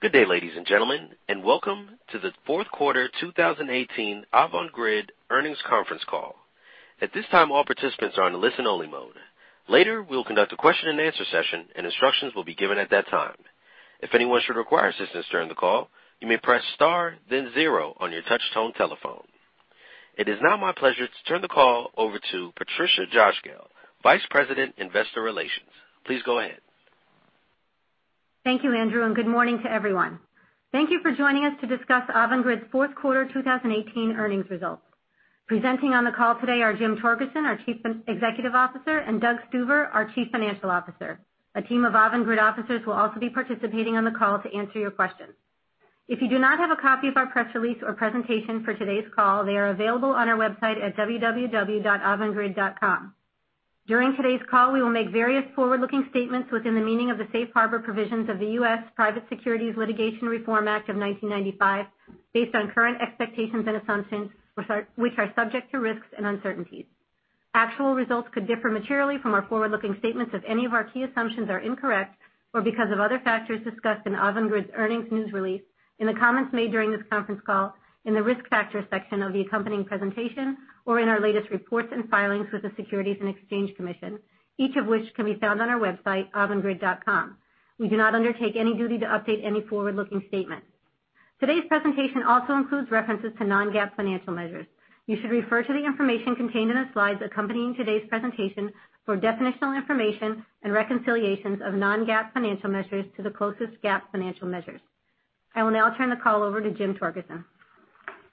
Good day, ladies and gentlemen, and welcome to the fourth quarter 2018 Avangrid earnings conference call. At this time, all participants are in listen only mode. Later, we'll conduct a question and answer session, and instructions will be given at that time. If anyone should require assistance during the call, you may press star then zero on your touch-tone telephone. It is now my pleasure to turn the call over to Patricia Cosgel, Vice President, Investor Relations. Please go ahead. Thank you, Andrew, good morning to everyone. Thank you for joining us to discuss Avangrid's fourth quarter 2018 earnings results. Presenting on the call today are Jim Torgerson, our Chief Executive Officer, and Doug Stuver, our Chief Financial Officer. A team of Avangrid officers will also be participating on the call to answer your questions. If you do not have a copy of our press release or presentation for today's call, they are available on our website at www.avangrid.com. During today's call, we will make various forward-looking statements within the meaning of the Safe Harbor Provisions of the U.S. Private Securities Litigation Reform Act of 1995, based on current expectations and assumptions, which are subject to risks and uncertainties. Actual results could differ materially from our forward-looking statements if any of our key assumptions are incorrect, or because of other factors discussed in Avangrid's earnings news release, in the comments made during this conference call, in the risk factors section of the accompanying presentation, or in our latest reports and filings with the Securities and Exchange Commission, each of which can be found on our website, avangrid.com. We do not undertake any duty to update any forward-looking statement. Today's presentation also includes references to non-GAAP financial measures. You should refer to the information contained in the slides accompanying today's presentation for definitional information and reconciliations of non-GAAP financial measures to the closest GAAP financial measures. I will now turn the call over to Jim Torgerson.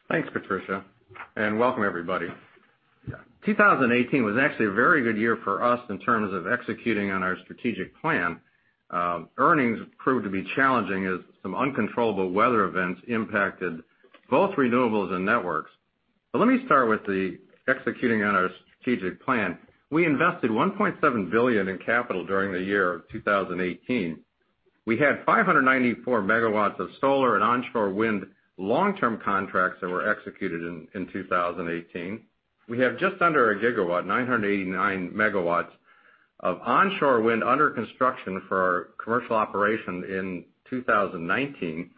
Thanks, Patricia, welcome everybody. 2018 was actually a very good year for us in terms of executing on our strategic plan. Earnings proved to be challenging as some uncontrollable weather events impacted both renewables and networks. Let me start with the executing on our strategic plan. We invested $1.7 billion in capital during the year of 2018. We had 594 MW of solar and onshore wind long-term contracts that were executed in 2018. We have just under a GW, 989 MW, of onshore wind under construction for our commercial operation in 2019,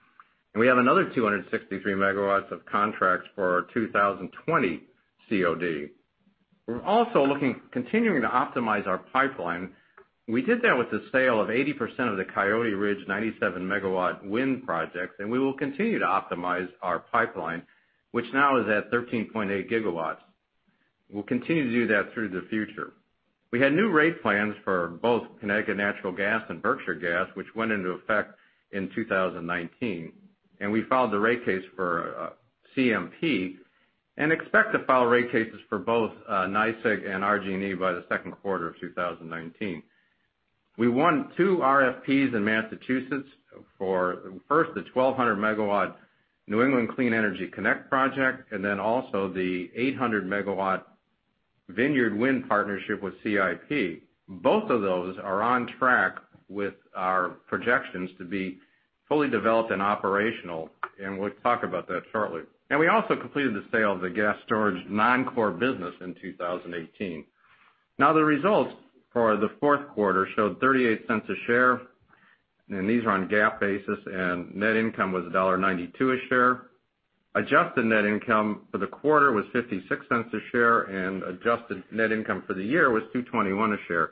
we have another 263 MW of contracts for our 2020 COD. We're also looking continuing to optimize our pipeline. We did that with the sale of 80% of the Coyote Ridge 97 megawatt wind projects. We will continue to optimize our pipeline, which now is at 13.8 gigawatts. We'll continue to do that through the future. We had new rate plans for both Connecticut Natural Gas and Berkshire Gas, which went into effect in 2019. We filed the rate case for CMP and expect to file rate cases for both NYSEG and RG&E by the second quarter of 2019. We won two RFPs in Massachusetts for, first, the 1,200-megawatt New England Clean Energy Connect project, then also the 800-megawatt Vineyard Wind partnership with CIP. Both of those are on track with our projections to be fully developed and operational, and we'll talk about that shortly. We also completed the sale of the gas storage non-core business in 2018. The results for the fourth quarter showed $0.38 a share. These are on GAAP basis, Net income was $1.92 a share. Adjusted net income for the quarter was $0.56 a share, and adjusted net income for the year was $2.21 a share.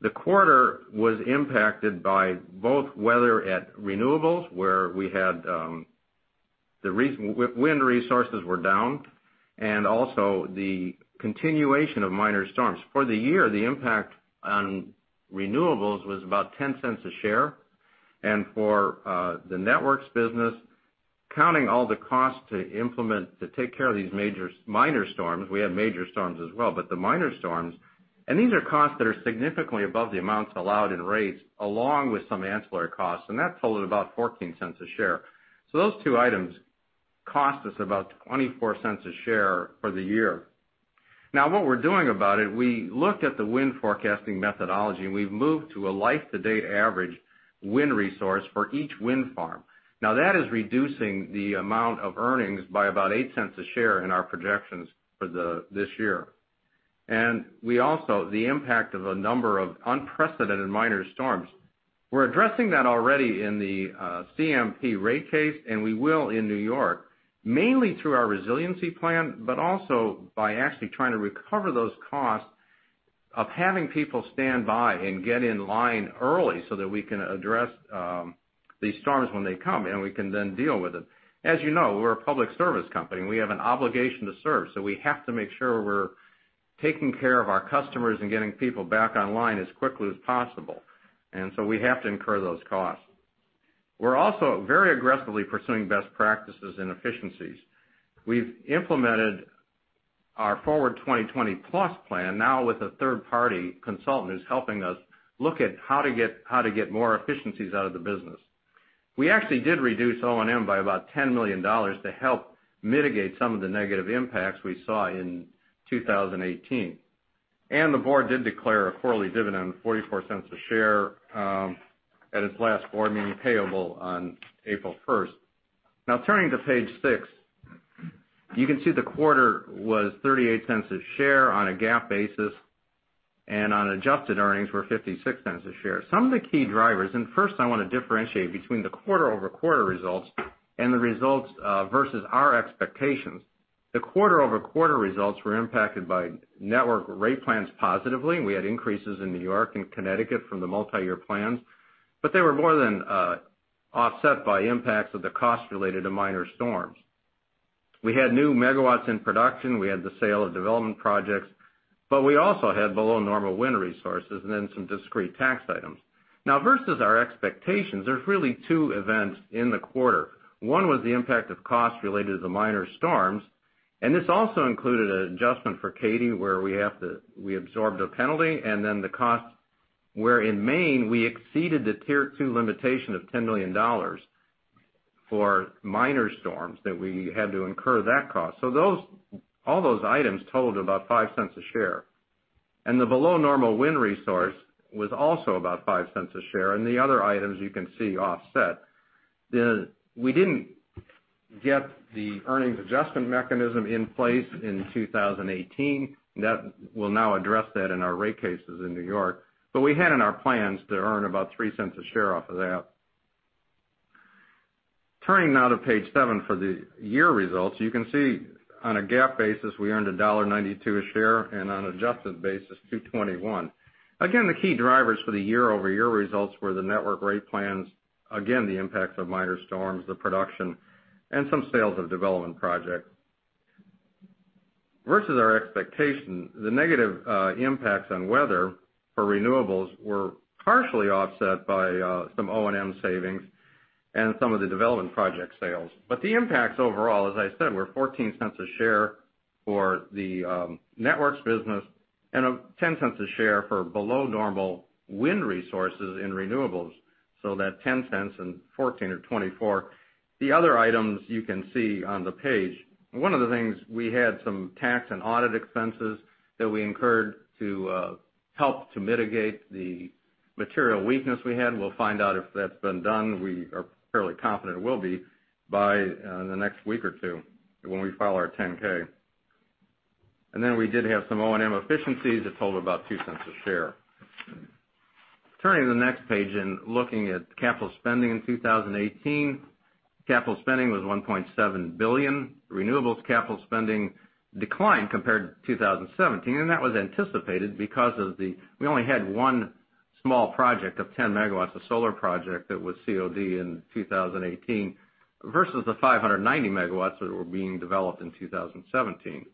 The quarter was impacted by both weather at renewables, where we had the wind resources were down, also the continuation of minor storms. For the year, the impact on renewables was about $0.10 a share. For the networks business, counting all the costs to implement to take care of these minor storms, we had major storms as well, but the minor storms, These are costs that are significantly above the amounts allowed in rates, along with some ancillary costs, that totaled about $0.14 a share. Those two items cost us about $0.24 a share for the year. What we're doing about it, we looked at the wind forecasting methodology, and we've moved to a life-to-date average wind resource for each wind farm. That is reducing the amount of earnings by about $0.08 a share in our projections for this year. We also, the impact of a number of unprecedented minor storms. We're addressing that already in the CMP rate case, and we will in New York, mainly through our resiliency plan, but also by actually trying to recover those costs of having people stand by and get in line early so that we can address these storms when they come, and we can then deal with it. As you know, we're a public service company. We have an obligation to serve. We have to make sure we're taking care of our customers and getting people back online as quickly as possible. We have to incur those costs. We're also very aggressively pursuing best practices and efficiencies. We've implemented our Forward 2020+ plan now with a third-party consultant who's helping us look at how to get more efficiencies out of the business. We actually did reduce O&M by about $10 million to help mitigate some of the negative impacts we saw in 2018. The board did declare a quarterly dividend of $0.44 a share, at its last board meeting, payable on April 1st. Turning to page six. You can see the quarter was $0.38 a share on a GAAP basis. On adjusted earnings, we're $0.56 a share. First I want to differentiate between the quarter-over-quarter results and the results versus our expectations. The quarter-over-quarter results were impacted by network rate plans positively. We had increases in New York and Connecticut from the multi-year plans. They were more than offset by impacts of the costs related to minor storms. We had new megawatts in production. We had the sale of development projects. We also had below normal wind resources and some discrete tax items. Versus our expectations, there are really two events in the quarter. One was the impact of costs related to the minor storms, and this also included an adjustment for KEDNY, where we absorbed a penalty and the cost where in Maine, we exceeded the tier 2 limitation of $10 million for minor storms that we had to incur that cost. All those items totaled about $0.05 a share. The below normal wind resource was also about $0.05 a share. The other items you can see offset. We didn't get the earnings adjustment mechanism in place in 2018. That will now address that in our rate cases in New York. We had in our plans to earn about $0.03 a share off of that. Turning now to page seven for the year results. You can see on a GAAP basis, we earned $1.92 a share, and on adjusted basis, $2.21. Again, the key drivers for the year-over-year results were the network rate plans, again, the impacts of minor storms, the production, and some sales of development project. Versus our expectation, the negative impacts on weather for renewables were partially offset by some O&M savings and some of the development project sales. The impacts overall, as I said, were $0.14 a share for the networks business and $0.10 a share for below normal wind resources in renewables, so that $0.10 and $0.14, or $0.24. The other items you can see on the page. One of the things, we had some tax and audit expenses that we incurred to help to mitigate the material weakness we had. We'll find out if that's been done. We are fairly confident it will be by the next week or two when we file our 10-K. We did have some O&M efficiencies that totaled about $0.02 a share. Turning to the next page and looking at capital spending in 2018. Capital spending was $1.7 billion. Renewables capital spending declined compared to 2017. That was anticipated because we only had one small project of 10 MW, a solar project that was COD in 2018 versus the 590 MW that were being developed in 2017.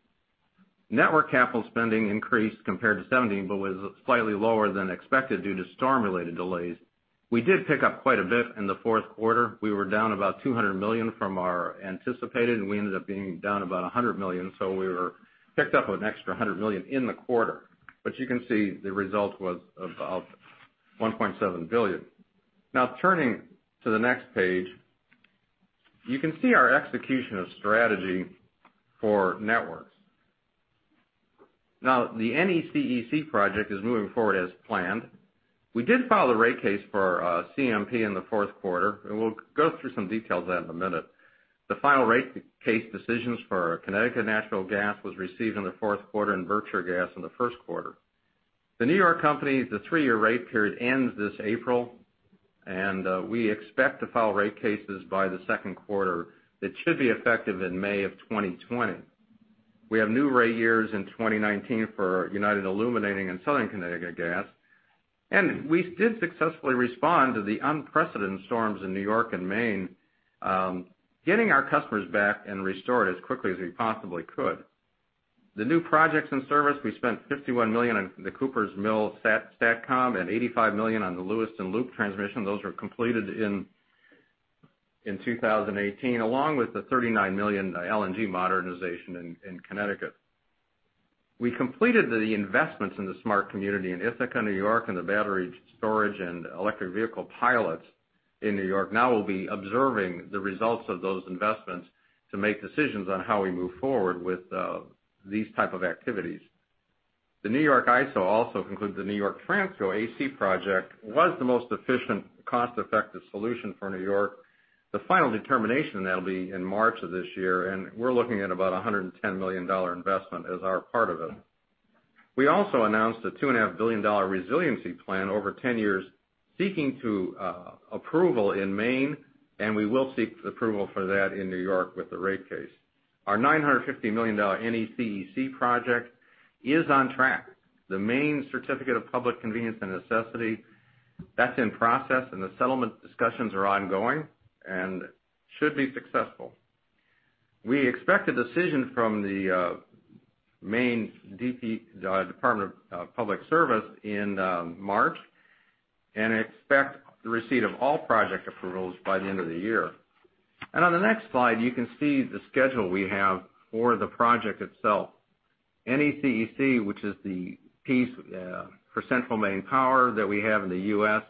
Network capital spending increased compared to 2017, but was slightly lower than expected due to storm-related delays. We did pick up quite a bit in the fourth quarter. We were down about $200 million from our anticipated, and we ended up being down about $100 million, so we picked up an extra $100 million in the quarter. You can see the result was $1.7 billion. Turning to the next page, you can see our execution of strategy for networks. The NECEC project is moving forward as planned. We did file the rate case for CMP in the fourth quarter. We'll go through some details of that in a minute. The final rate case decisions for our Connecticut Natural Gas was received in the fourth quarter and Berkshire Gas in the first quarter. The N.Y. company, the three-year rate period ends this April, and we expect to file rate cases by the second quarter that should be effective in May of 2020. We have new rate years in 2019 for United Illuminating and Southern Connecticut Gas. We did successfully respond to the unprecedented storms in N.Y. and Maine, getting our customers back and restored as quickly as we possibly could. The new projects and service, we spent $51 million on the Coopers Mills Substation and $85 million on the Lewiston Loop Transmission. Those were completed in 2018, along with the $39 million LNG modernization in Connecticut. We completed the investments in the smart community in Ithaca, N.Y., and the battery storage and electric vehicle pilots in N.Y. We'll be observing the results of those investments to make decisions on how we move forward with these type of activities. The New York ISO also concludes the New York Transco AC project was the most efficient, cost-effective solution for N.Y. The final determination, that'll be in March of this year, and we're looking at about $110 million investment as our part of it. We also announced a $2.5 billion resiliency plan over 10 years, seeking approval in Maine. We will seek approval for that in N.Y. with the rate case. Our $950 million NECEC project is on track. The Maine Certificate of Public Convenience and Necessity, that's in process. The settlement discussions are ongoing and should be successful. We expect a decision from the Maine Department of Public Safety in March and expect the receipt of all project approvals by the end of the year. On the next slide, you can see the schedule we have for the project itself. NECEC, which is the piece for Central Maine Power that we have in the U.S.,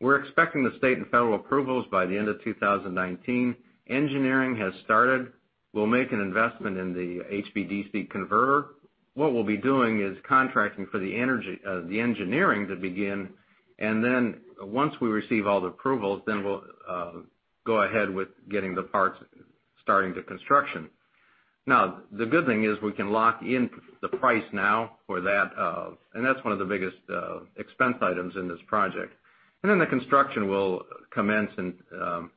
we're expecting the state and federal approvals by the end of 2019. Engineering has started. We'll make an investment in the HVDC converter. What we'll be doing is contracting for the engineering to begin. Once we receive all the approvals, we'll go ahead with getting the parts starting to construction. Now, the good thing is we can lock in the price now for that, and that's one of the biggest expense items in this project. The construction will commence in the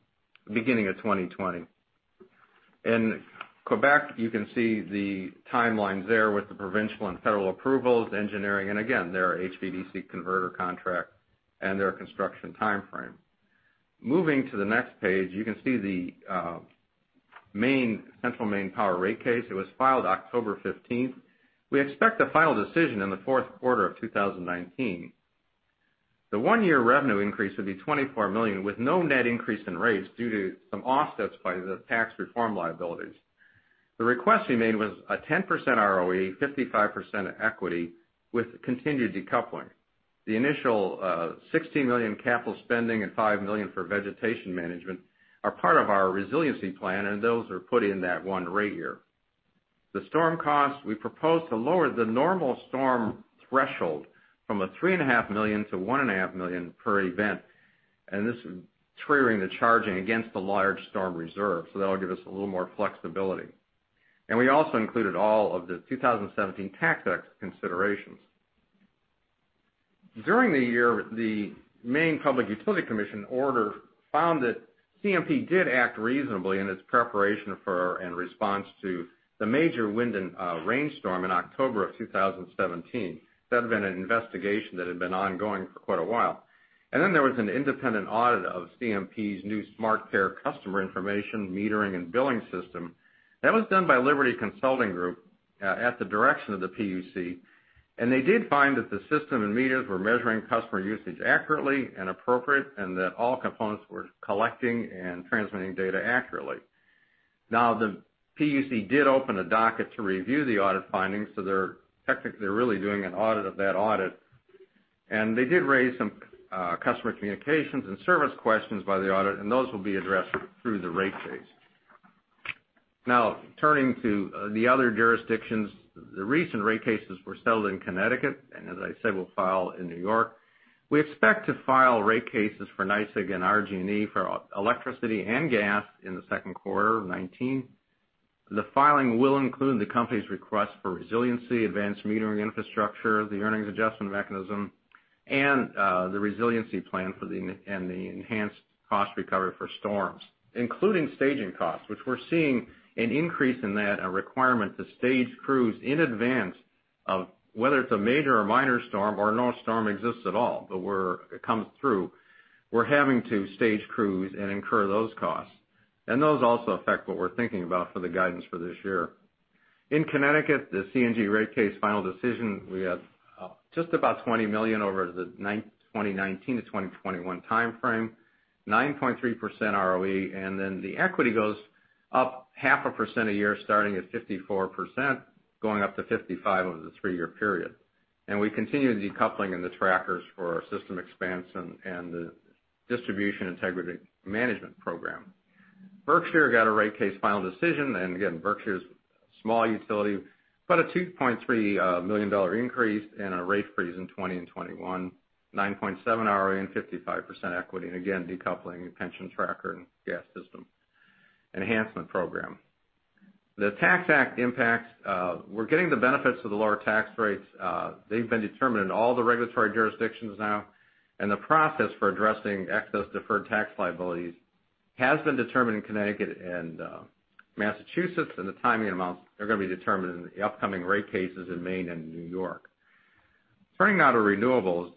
beginning of 2020. In Quebec, you can see the timelines there with the provincial and federal approvals, engineering, and again, their HVDC converter contract and their construction timeframe. Moving to the next page, you can see the Central Maine Power rate case. It was filed October 15th. We expect a final decision in the fourth quarter of 2019. The one-year revenue increase will be $24 million, with no net increase in rates due to some offsets by the tax reform liabilities. The request we made was a 10% ROE, 55% equity, with continued decoupling. The initial, $60 million capital spending and $5 million for vegetation management are part of our resiliency plan, and those are put in that one rate year. The storm costs, we propose to lower the normal storm threshold from $3.5 million to $1.5 million per event. This is triggering the charging against the large storm reserve, that'll give us a little more flexibility. We also included all of the 2017 tax considerations. During the year, the Maine Public Utilities Commission order found that CMP did act reasonably in its preparation for and response to the major wind and rainstorm in October of 2017. That had been an investigation that had been ongoing for quite a while. There was an independent audit of CMP's new SmartCare customer information metering and billing system. That was done by The Liberty Consulting Group at the direction of the PUC, they did find that the system and meters were measuring customer usage accurately and appropriate, and that all components were collecting and transmitting data accurately. The PUC did open a docket to review the audit findings, so they're technically really doing an audit of that audit. They did raise some customer communications and service questions by the audit, and those will be addressed through the rate case. Turning to the other jurisdictions, the recent rate cases were settled in Connecticut, as I said, we'll file in New York. We expect to file rate cases for NYSEG and RG&E for electricity and gas in the second quarter of 2019. The filing will include the company's request for resiliency, advanced metering infrastructure, the earnings adjustment mechanism, the resiliency plan, and the enhanced cost recovery for storms, including staging costs, which we're seeing an increase in that, a requirement to stage crews in advance of whether it's a major or minor storm or no storm exists at all. Where it comes through, we're having to stage crews and incur those costs. Those also affect what we're thinking about for the guidance for this year. In Connecticut, the CNG rate case final decision, we have just about $20 million over the 2019 to 2021 timeframe, 9.3% ROE, and then the equity goes up half a percent a year, starting at 54%, going up to 55% over the three-year period. We continue the decoupling and the trackers for our system expanse and the distribution integrity management program. Berkshire got a rate case final decision, again, Berkshire's a small utility, a $2.3 million increase and a rate freeze in 2020 and 2021, 9.7% ROE and 55% equity. Again, decoupling, pension tracker, and gas system enhancement program. The Tax Act impacts, we're getting the benefits of the lower tax rates. They've been determined in all the regulatory jurisdictions now, the process for addressing excess deferred tax liabilities has been determined in Connecticut and Massachusetts, the timing and amounts are going to be determined in the upcoming rate cases in Maine and New York. Turning now to renewables,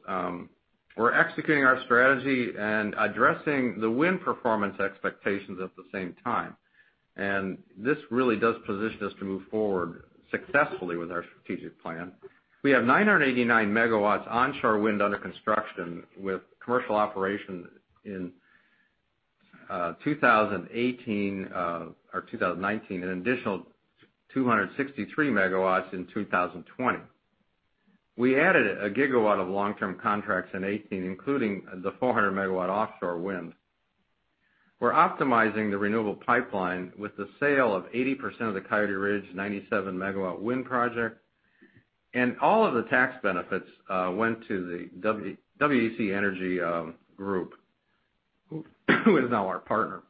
we're executing our strategy and addressing the wind performance expectations at the same time. This really does position us to move forward successfully with our strategic plan. We have 989 MW onshore wind under construction, with commercial operation in 2018 or 2019, an additional 263 MW in 2020. We added a gigawatt of long-term contracts in 2018, including the 400 MW offshore wind. We're optimizing the renewable pipeline with the sale of 80% of the Coyote Ridge 97 MW wind project. All of the tax benefits went to the WEC Energy Group, who is now our partner.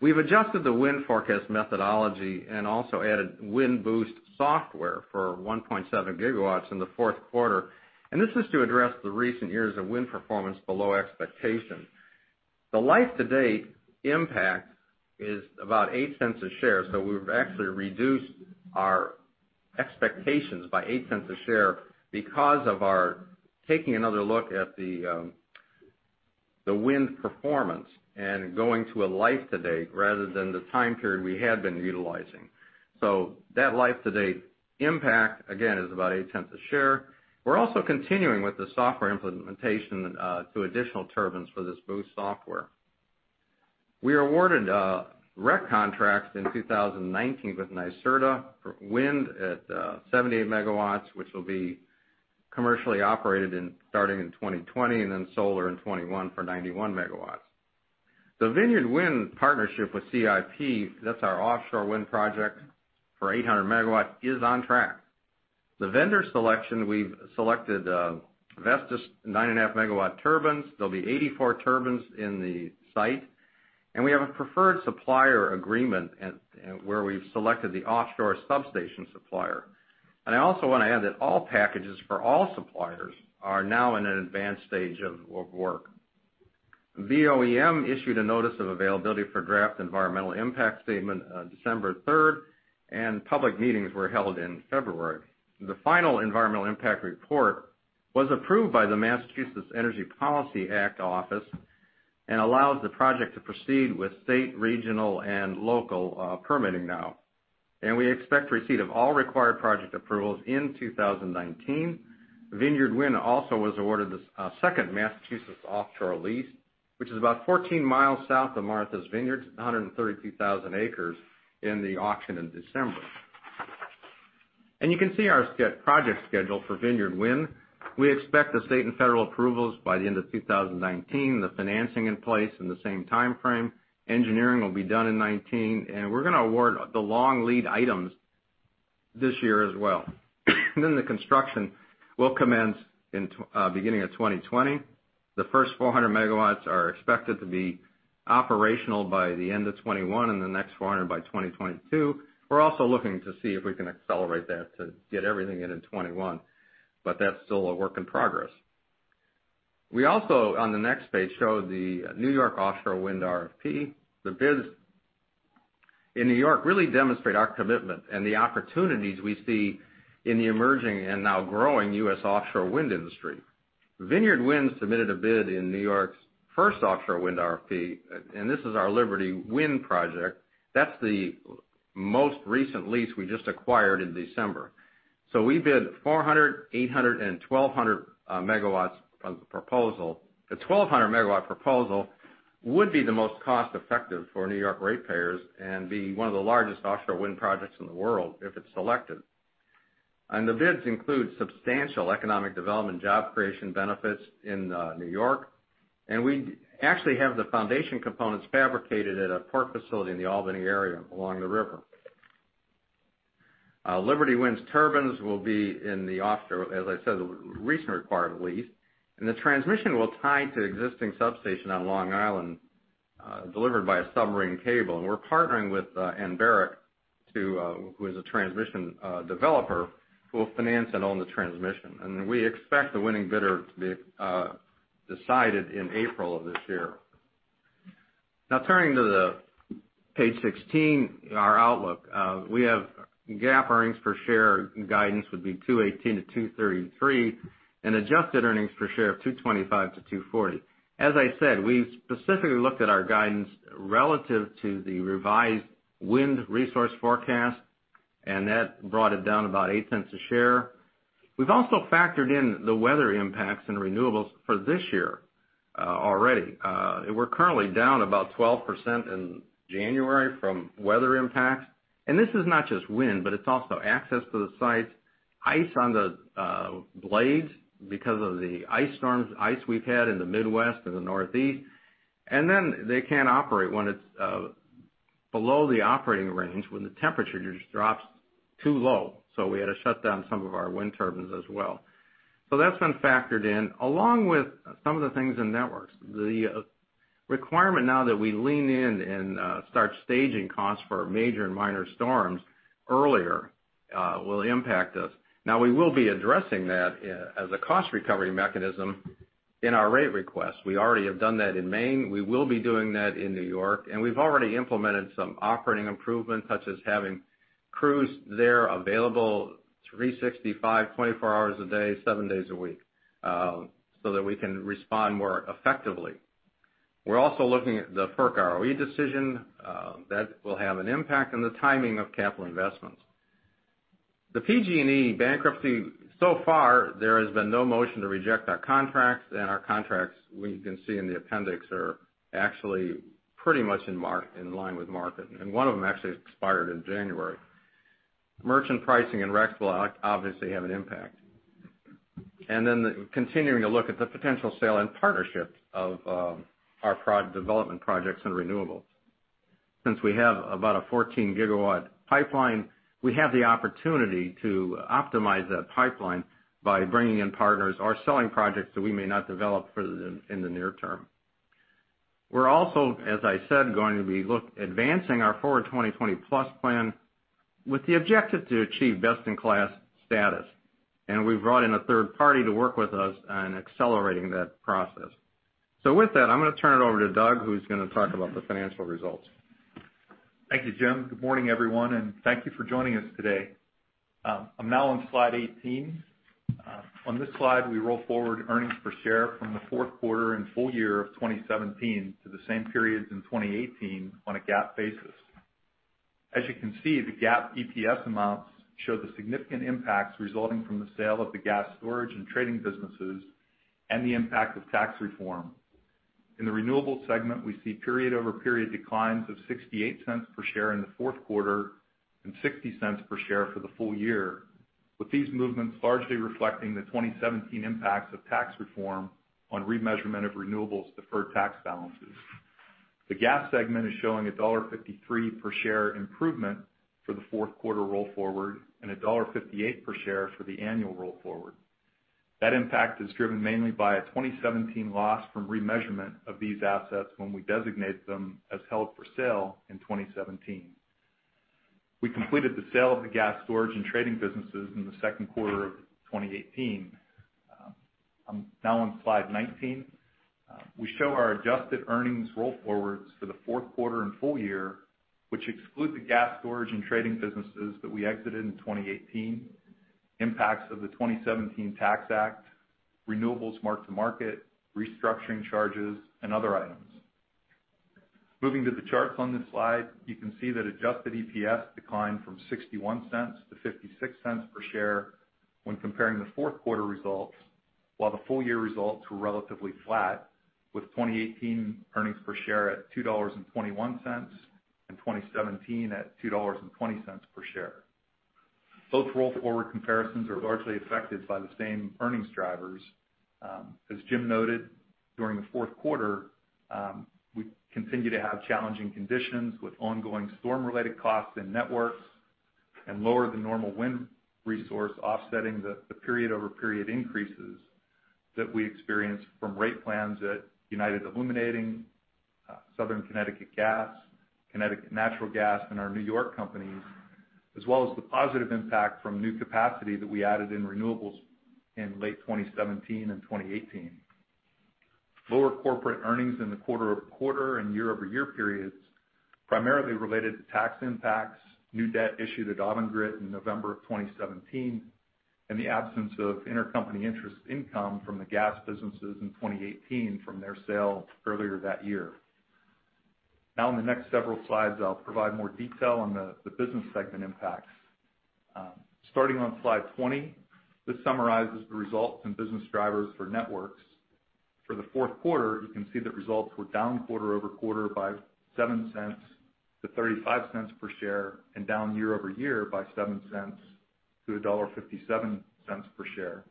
We've adjusted the wind forecast methodology and also added wind boost software for 1.7 gigawatts in the fourth quarter. This is to address the recent years of wind performance below expectations. The life to date impact is about $0.08 a share. We've actually reduced our expectations by $0.08 a share because of our taking another look at the wind performance and going to a life to date rather than the time period we had been utilizing. That life to date impact, again, is about $0.08 a share. We're also continuing with the software implementation to additional turbines for this boost software. We are awarded REC contracts in 2019 with NYSERDA for wind at 78 MW, which will be commercially operated starting in 2020 and then solar in 2021 for 91 MW. The Vineyard Wind partnership with CIP, that's our offshore wind project for 800 MW, is on track. The vendor selection, we've selected, Vestas 9.5 MW turbines. There'll be 84 turbines in the site, and we have a preferred supplier agreement where we've selected the offshore substation supplier. I also want to add that all packages for all suppliers are now in an advanced stage of work. BOEM issued a notice of availability for draft environmental impact statement on December 3rd, and public meetings were held in February. The final environmental impact report was approved by the Massachusetts Environmental Policy Act Office and allows the project to proceed with state, regional, and local permitting now. We expect receipt of all required project approvals in 2019. Vineyard Wind also was awarded the second Massachusetts offshore lease, which is about 14 miles south of Martha's Vineyard, 132,000 acres in the auction in December. You can see our project schedule for Vineyard Wind. We expect the state and federal approvals by the end of 2019, the financing in place in the same timeframe. Engineering will be done in 2019, and we're going to award the long lead items this year as well. The construction will commence in the beginning of 2020. The first 400 MW are expected to be operational by the end of 2021 and the next 400 by 2022. We're also looking to see if we can accelerate that to get everything in in 2021. That's still a work in progress. We also, on the next page, show the New York offshore wind RFP. The bids in New York really demonstrate our commitment and the opportunities we see in the emerging and now growing U.S. offshore wind industry. Vineyard Wind submitted a bid in New York's first offshore wind RFP. This is our Liberty Wind project. That's the most recent lease we just acquired in December. We bid 400, 800, and 1,200 MW proposal. The 1,200 MW proposal would be the most cost-effective for New York ratepayers and be one of the largest offshore wind projects in the world if it's selected. The bids include substantial economic development, job creation benefits in New York, and we actually have the foundation components fabricated at a port facility in the Albany area along the river. Liberty Wind's turbines will be in the offshore, as I said, the recent acquired lease. The transmission will tie into existing substation on Long Island, delivered by a submarine cable. We're partnering with Anbaric, who is a transmission developer, who will finance and own the transmission. We expect the winning bidder to be decided in April of this year. Turning to page 16, our outlook. We have GAAP earnings per share guidance would be $2.18-$2.33, and adjusted earnings per share of $2.25-$2.40. As I said, we specifically looked at our guidance relative to the revised wind resource forecast, and that brought it down about $0.08 a share. We've also factored in the weather impacts and renewables for this year already. We're currently down about 12% in January from weather impacts, and this is not just wind, but it's also access to the sites, ice on the blades because of the ice storms, ice we've had in the Midwest and the Northeast. They can't operate when it's below the operating range, when the temperature just drops too low. We had to shut down some of our wind turbines as well. That's been factored in along with some of the things in networks. The requirement now that we lean in and start staging costs for major and minor storms earlier, will impact us. We will be addressing that as a cost recovery mechanism in our rate request. We already have done that in Maine. We will be doing that in New York, and we've already implemented some operating improvements, such as having crews there available 365, 24 hours a day, seven days a week, so that we can respond more effectively. We're also looking at the FERC ROE decision. That will have an impact on the timing of capital investments. The PG&E bankruptcy, so far, there has been no motion to reject our contracts, and our contracts, you can see in the appendix, are actually pretty much in line with market, and one of them actually expired in January. Merchant pricing and RECS will obviously have an impact. Continuing to look at the potential sale and partnership of our development projects in renewables. Since we have about a 14-gigawatt pipeline, we have the opportunity to optimize that pipeline by bringing in partners or selling projects that we may not develop in the near term. We're also, as I said, going to be advancing our Forward 2020+ plan with the objective to achieve best-in-class status, and we've brought in a third party to work with us on accelerating that process. With that, I'm going to turn it over to Doug, who's going to talk about the financial results. Thank you, Jim. Good morning, everyone, and thank you for joining us today. I'm now on slide 18. On this slide, we roll forward earnings per share from the fourth quarter and full year of 2017 to the same periods in 2018 on a GAAP basis. As you can see, the GAAP EPS amounts show the significant impacts resulting from the sale of the gas storage and trading businesses and the impact of tax reform. In the renewables segment, we see period-over-period declines of $0.68 per share in the fourth quarter and $0.60 per share for the full year, with these movements largely reflecting the 2017 impacts of tax reform on remeasurement of renewables deferred tax balances. The gas segment is showing $1.53 per share improvement for the fourth quarter roll forward, and $1.58 per share for the annual roll forward. That impact is driven mainly by a 2017 loss from remeasurement of these assets when we designate them as held for sale in 2017. We completed the sale of the gas storage and trading businesses in the second quarter of 2018. I'm now on slide 19. We show our adjusted earnings roll forwards for the fourth quarter and full year, which exclude the gas storage and trading businesses that we exited in 2018, impacts of the 2017 Tax Act, renewables mark to market, restructuring charges, and other items. Moving to the charts on this slide, you can see that adjusted EPS declined from $0.61 to $0.56 per share when comparing the fourth quarter results, while the full year results were relatively flat, with 2018 earnings per share at $2.21 and 2017 at $2.20 per share. Both roll forward comparisons are largely affected by the same earnings drivers. As Jim noted, during the fourth quarter, we continue to have challenging conditions with ongoing storm-related costs and networks, and lower than normal wind resource offsetting the period-over-period increases that we experienced from rate plans at United Illuminating, Southern Connecticut Gas, Connecticut Natural Gas, and our New York companies, as well as the positive impact from new capacity that we added in renewables in late 2017 and 2018. Lower corporate earnings in the quarter-over-quarter and year-over-year periods primarily related to tax impacts, new debt issued at Avangrid in November of 2017, and the absence of intercompany interest income from the gas businesses in 2018 from their sale earlier that year. In the next several slides, I'll provide more detail on the business segment impacts. Starting on slide 20, this summarizes the results and business drivers for networks. For the fourth quarter, you can see that results were down quarter-over-quarter by $0.07 to $0.35 per share, and down year-over-year by $0.07 to $1.57 per share.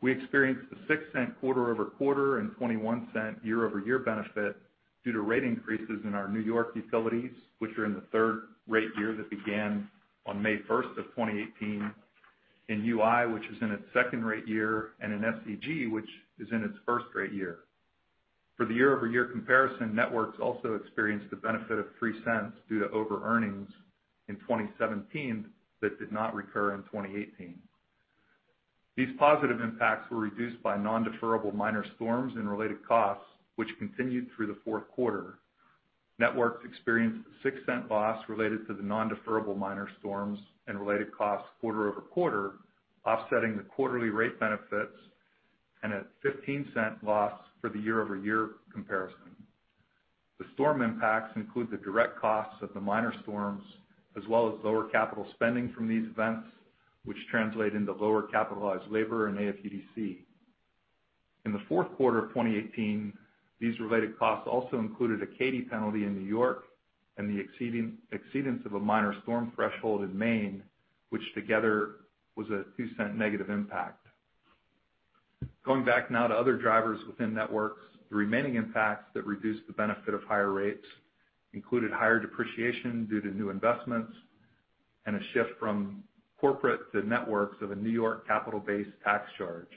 We experienced a $0.06 quarter-over-quarter and $0.21 year-over-year benefit due to rate increases in our New York utilities, which are in the third rate year that began on May 1st of 2018, in UI, which is in its second rate year, and in SCG, which is in its first rate year. For the year-over-year comparison, networks also experienced the benefit of $0.03 due to overearnings in 2017 that did not recur in 2018. These positive impacts were reduced by non-deferrable minor storms and related costs, which continued through the fourth quarter. Networks experienced a $0.06 loss related to the non-deferrable minor storms and related costs quarter-over-quarter, offsetting the quarterly rate benefits, and a $0.15 loss for the year-over-year comparison. The storm impacts include the direct costs of the minor storms, as well as lower capital spending from these events, which translate into lower capitalized labor and AFUDC. In the fourth quarter of 2018, these related costs also included a KEDNY penalty in N.Y. and the exceedance of a minor storm threshold in Maine, which together was a $0.02 negative impact. Other drivers within networks, the remaining impacts that reduced the benefit of higher rates included higher depreciation due to new investments, and a shift from corporate to networks of a N.Y. capital-based tax charge.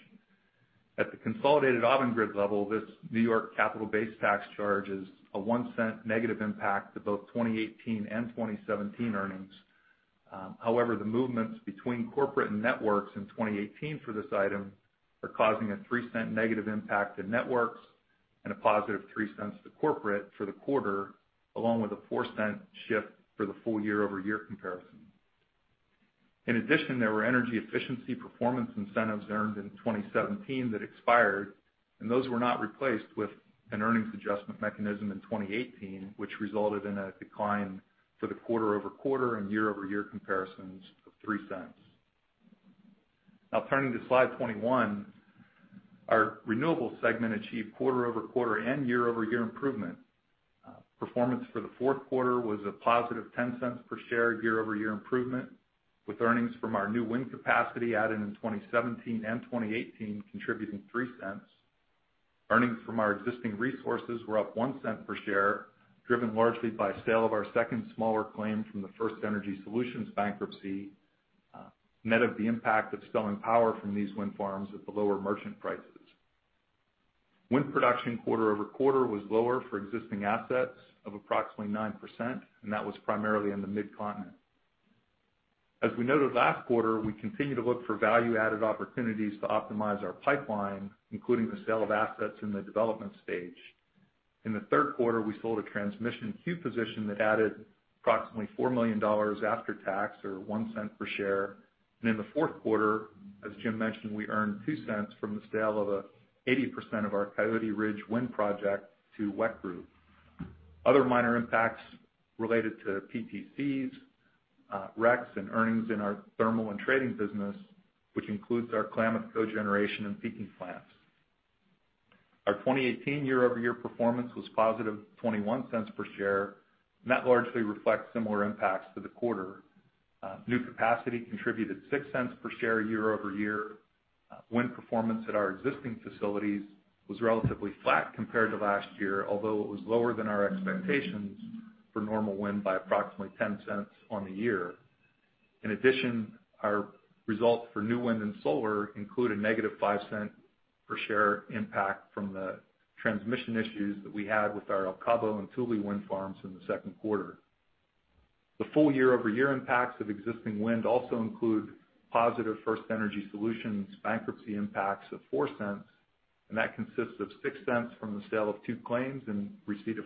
At the consolidated Avangrid level, this N.Y. capital-based tax charge is a $0.01 negative impact to both 2018 and 2017 earnings. However, the movements between corporate and networks in 2018 for this item are causing a $0.03 negative impact to networks, and a positive $0.03 to corporate for the quarter, along with a $0.04 shift for the full year-over-year comparison. In addition, there were energy efficiency performance incentives earned in 2017 that expired, and those were not replaced with an earnings adjustment mechanism in 2018, which resulted in a decline for the quarter-over-quarter and year-over-year comparisons of $0.03. Turning to slide 21, our renewable segment achieved quarter-over-quarter and year-over-year improvement. Performance for the fourth quarter was a positive $0.10 per share year-over-year improvement, with earnings from our new wind capacity added in 2017 and 2018 contributing $0.03. Earnings from our existing resources were up $0.01 per share, driven largely by sale of our second smaller claim from the FirstEnergy Solutions bankruptcy, net of the impact of selling power from these wind farms at the lower merchant prices. Wind production quarter-over-quarter was lower for existing assets of approximately 9%, and that was primarily in the mid-continent. As we noted last quarter, we continue to look for value-added opportunities to optimize our pipeline, including the sale of assets in the development stage. In the third quarter, we sold a transmission queue position that added approximately $4 million after tax, or $0.01 per share. In the fourth quarter, as Jim mentioned, we earned $0.02 from the sale of 80% of our Coyote Ridge wind project to WEC Group. Other minor impacts related to PTCs, RECs, and earnings in our thermal and trading business, which includes our Klamath cogeneration and peaking plants. Our 2018 year-over-year performance was positive $0.21 per share, and that largely reflects similar impacts to the quarter. New capacity contributed $0.06 per share year-over-year. Wind performance at our existing facilities was relatively flat compared to last year, although it was lower than our expectations for normal wind by approximately $0.10 on the year. In addition, our result for new wind and solar include a negative $0.05 per share impact from the transmission issues that we had with our El Cabo and Tule wind farms in the second quarter. The full year-over-year impacts of existing wind also include positive FirstEnergy Solutions bankruptcy impacts of $0.04. That consists of $0.06 from the sale of two claims and receipt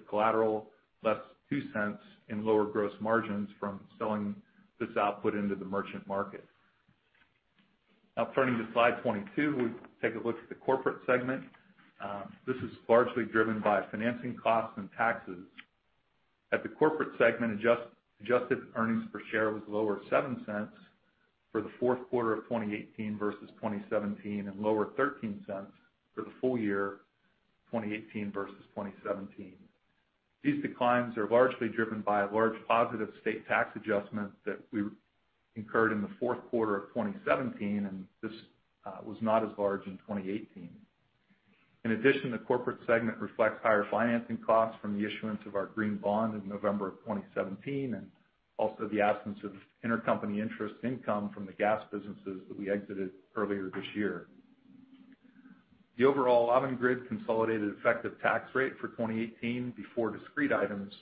of collateral, less $0.02 in lower gross margins from selling this output into the merchant market. Turning to slide 22, we take a look at the corporate segment. This is largely driven by financing costs and taxes. At the corporate segment, adjusted earnings per share was lower $0.07 for the fourth quarter of 2018 versus 2017, and lower $0.13 for the full year 2018 versus 2017. These declines are largely driven by a large positive state tax adjustment that we incurred in the fourth quarter of 2017. This was not as large in 2018. In addition, the corporate segment reflects higher financing costs from the issuance of our green bond in November of 2017, also the absence of intercompany interest income from the gas businesses that we exited earlier this year. The overall Avangrid consolidated effective tax rate for 2018 before discrete items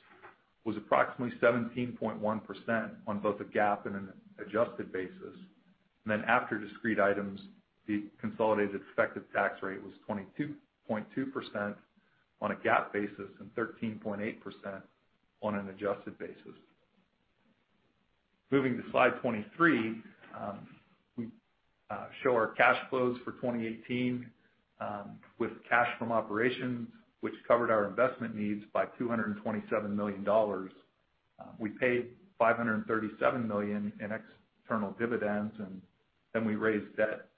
was approximately 17.1% on both a GAAP and an adjusted basis. After discrete items, the consolidated effective tax rate was 22.2% on a GAAP basis and 13.8% on an adjusted basis. Moving to slide 23, we show our cash flows for 2018, with cash from operations, which covered our investment needs by $227 million. We paid $537 million in external dividends, we raised debt,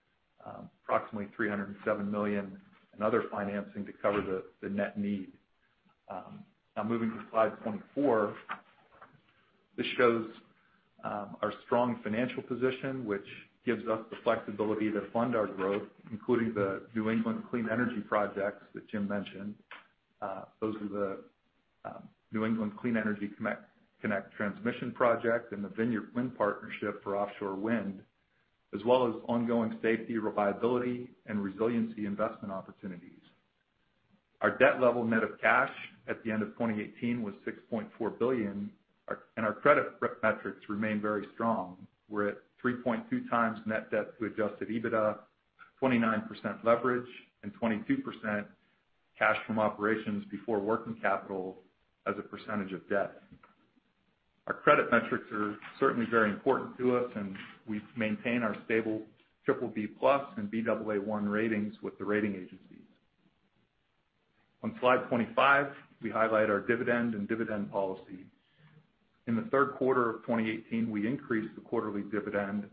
approximately $307 million, and other financing to cover the net need. Moving to slide 24, this shows our strong financial position, which gives us the flexibility to fund our growth, including the New England Clean Energy Projects that Jim mentioned. Those are the New England Clean Energy Connect transmission project and the Vineyard Wind partnership for offshore wind, as well as ongoing safety, reliability, and resiliency investment opportunities. Our debt level net of cash at the end of 2018 was $6.4 billion. Our credit metrics remain very strong. We are at 3.2 times net debt to adjusted EBITDA, 29% leverage, 22% cash from operations before working capital as a percentage of debt. Our credit metrics are certainly very important to us. We maintain our stable BBB+ and Baa1 ratings with the rating agencies. On slide 25, we highlight our dividend and dividend policy. In the third quarter of 2018, we increased the quarterly dividend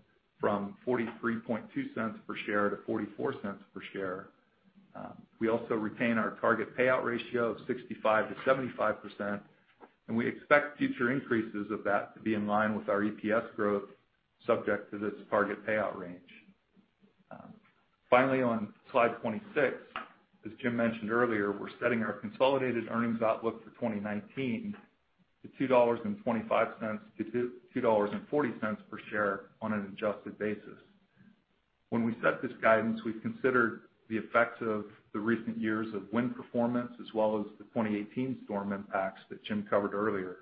from $0.432 per share to $0.44 per share. We also retain our target payout ratio of 65%-75%. We expect future increases of that to be in line with our EPS growth, subject to this target payout range. Finally, on slide 26, as Jim mentioned earlier, we're setting our consolidated earnings outlook for 2019 to $2.25-$2.40 per share on an adjusted basis. When we set this guidance, we've considered the effects of the recent years of wind performance, as well as the 2018 storm impacts that Jim covered earlier.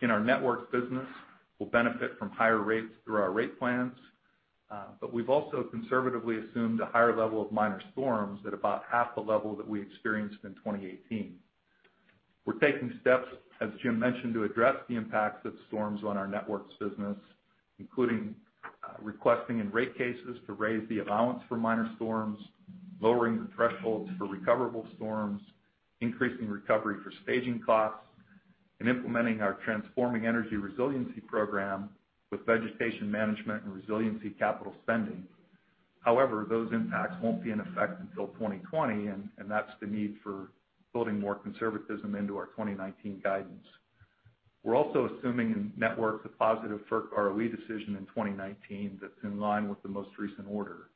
In our networks business, we'll benefit from higher rates through our rate plans. We've also conservatively assumed a higher level of minor storms at about half the level that we experienced in 2018. We're taking steps, as Jim mentioned, to address the impacts of storms on our networks business, including requesting in rate cases to raise the allowance for minor storms, lowering the thresholds for recoverable storms, increasing recovery for staging costs, and implementing our Transforming Energy Resiliency Program with vegetation management and resiliency capital spending. However, those impacts won't be in effect until 2020, and that's the need for building more conservatism into our 2019 guidance. We're also assuming in networks a positive FERC ROE decision in 2019 that's in line with the most recent order.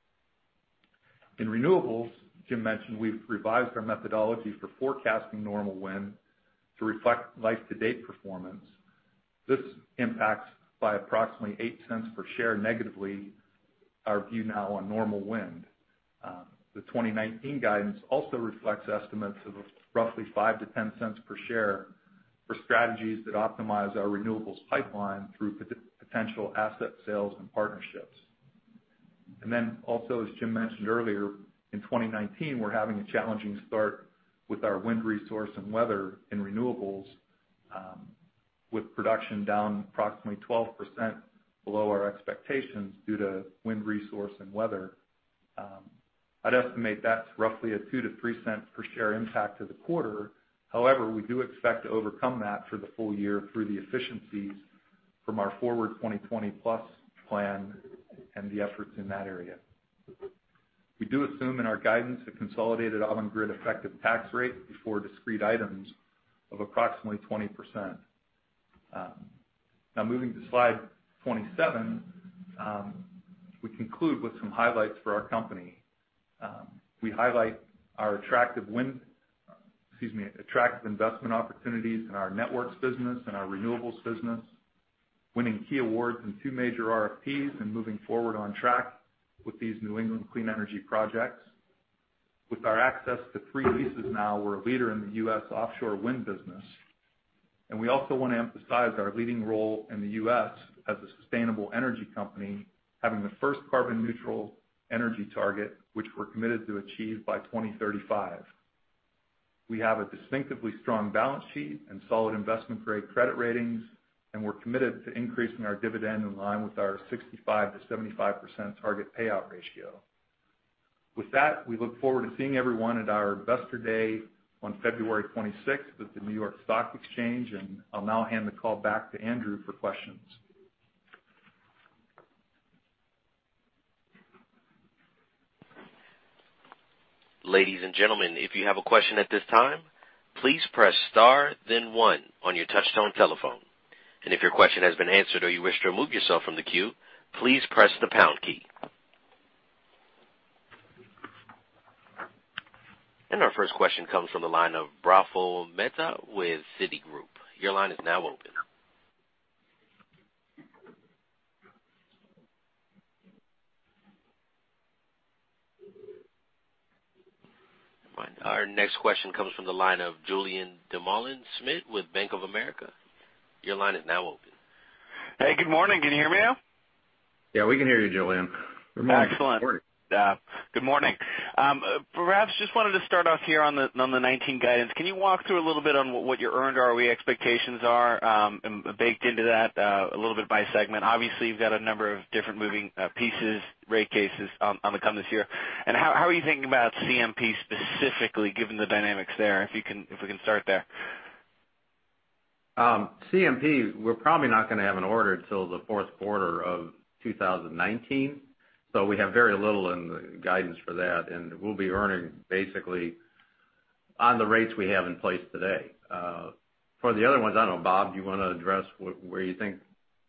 In renewables, Jim mentioned we've revised our methodology for forecasting normal wind to reflect life-to-date performance. This impacts by approximately $0.08 per share negatively our view now on normal wind. The 2019 guidance also reflects estimates of roughly $0.05-$0.10 per share for strategies that optimize our renewables pipeline through potential asset sales and partnerships. Also, as Jim mentioned earlier, in 2019, we're having a challenging start with our wind resource and weather in renewables, with production down approximately 12% below our expectations due to wind resource and weather. I'd estimate that's roughly a $0.02-$0.03 per share impact to the quarter. However, we do expect to overcome that for the full year through the efficiencies from our Forward 2020+ plan and the efforts in that area. We do assume in our guidance a consolidated Avangrid effective tax rate before discrete items of approximately 20%. Now moving to slide 27, we conclude with some highlights for our company. We highlight our attractive investment opportunities in our networks business and our renewables business, winning key awards in two major RFPs and moving forward on track with these New England clean energy projects. With our access to three leases now, we're a leader in the U.S. offshore wind business. We also want to emphasize our leading role in the U.S. as a sustainable energy company, having the first carbon neutral energy target, which we're committed to achieve by 2035. We have a distinctively strong balance sheet and solid investment-grade credit ratings, and we're committed to increasing our dividend in line with our 65%-75% target payout ratio. With that, we look forward to seeing everyone at our Investor Day on February 26th with the New York Stock Exchange. I'll now hand the call back to Andrew for questions. Ladies and gentlemen, if you have a question at this time, please press star then one on your touch-tone telephone. If your question has been answered or you wish to remove yourself from the queue, please press the pound key. Our first question comes from the line of Prafull Mehta with Citigroup. Your line is now open. Fine. Our next question comes from the line of Julien Dumoulin-Smith with Bank of America. Your line is now open. Hey, good morning. Can you hear me now? Yeah, we can hear you, Julien. Excellent. Good morning. Good morning. Perhaps just wanted to start off here on the 2019 guidance. Can you walk through a little bit on what your earned ROE expectations are, and baked into that, a little bit by segment? Obviously, you've got a number of different moving pieces, rate cases on the come this year. How are you thinking about CMP specifically, given the dynamics there? If we can start there. CMP, we're probably not going to have an order till the fourth quarter of 2019, so we have very little in the guidance for that, and we'll be earning basically on the rates we have in place today. For the other ones, I don't know, Bob, do you want to address where you think?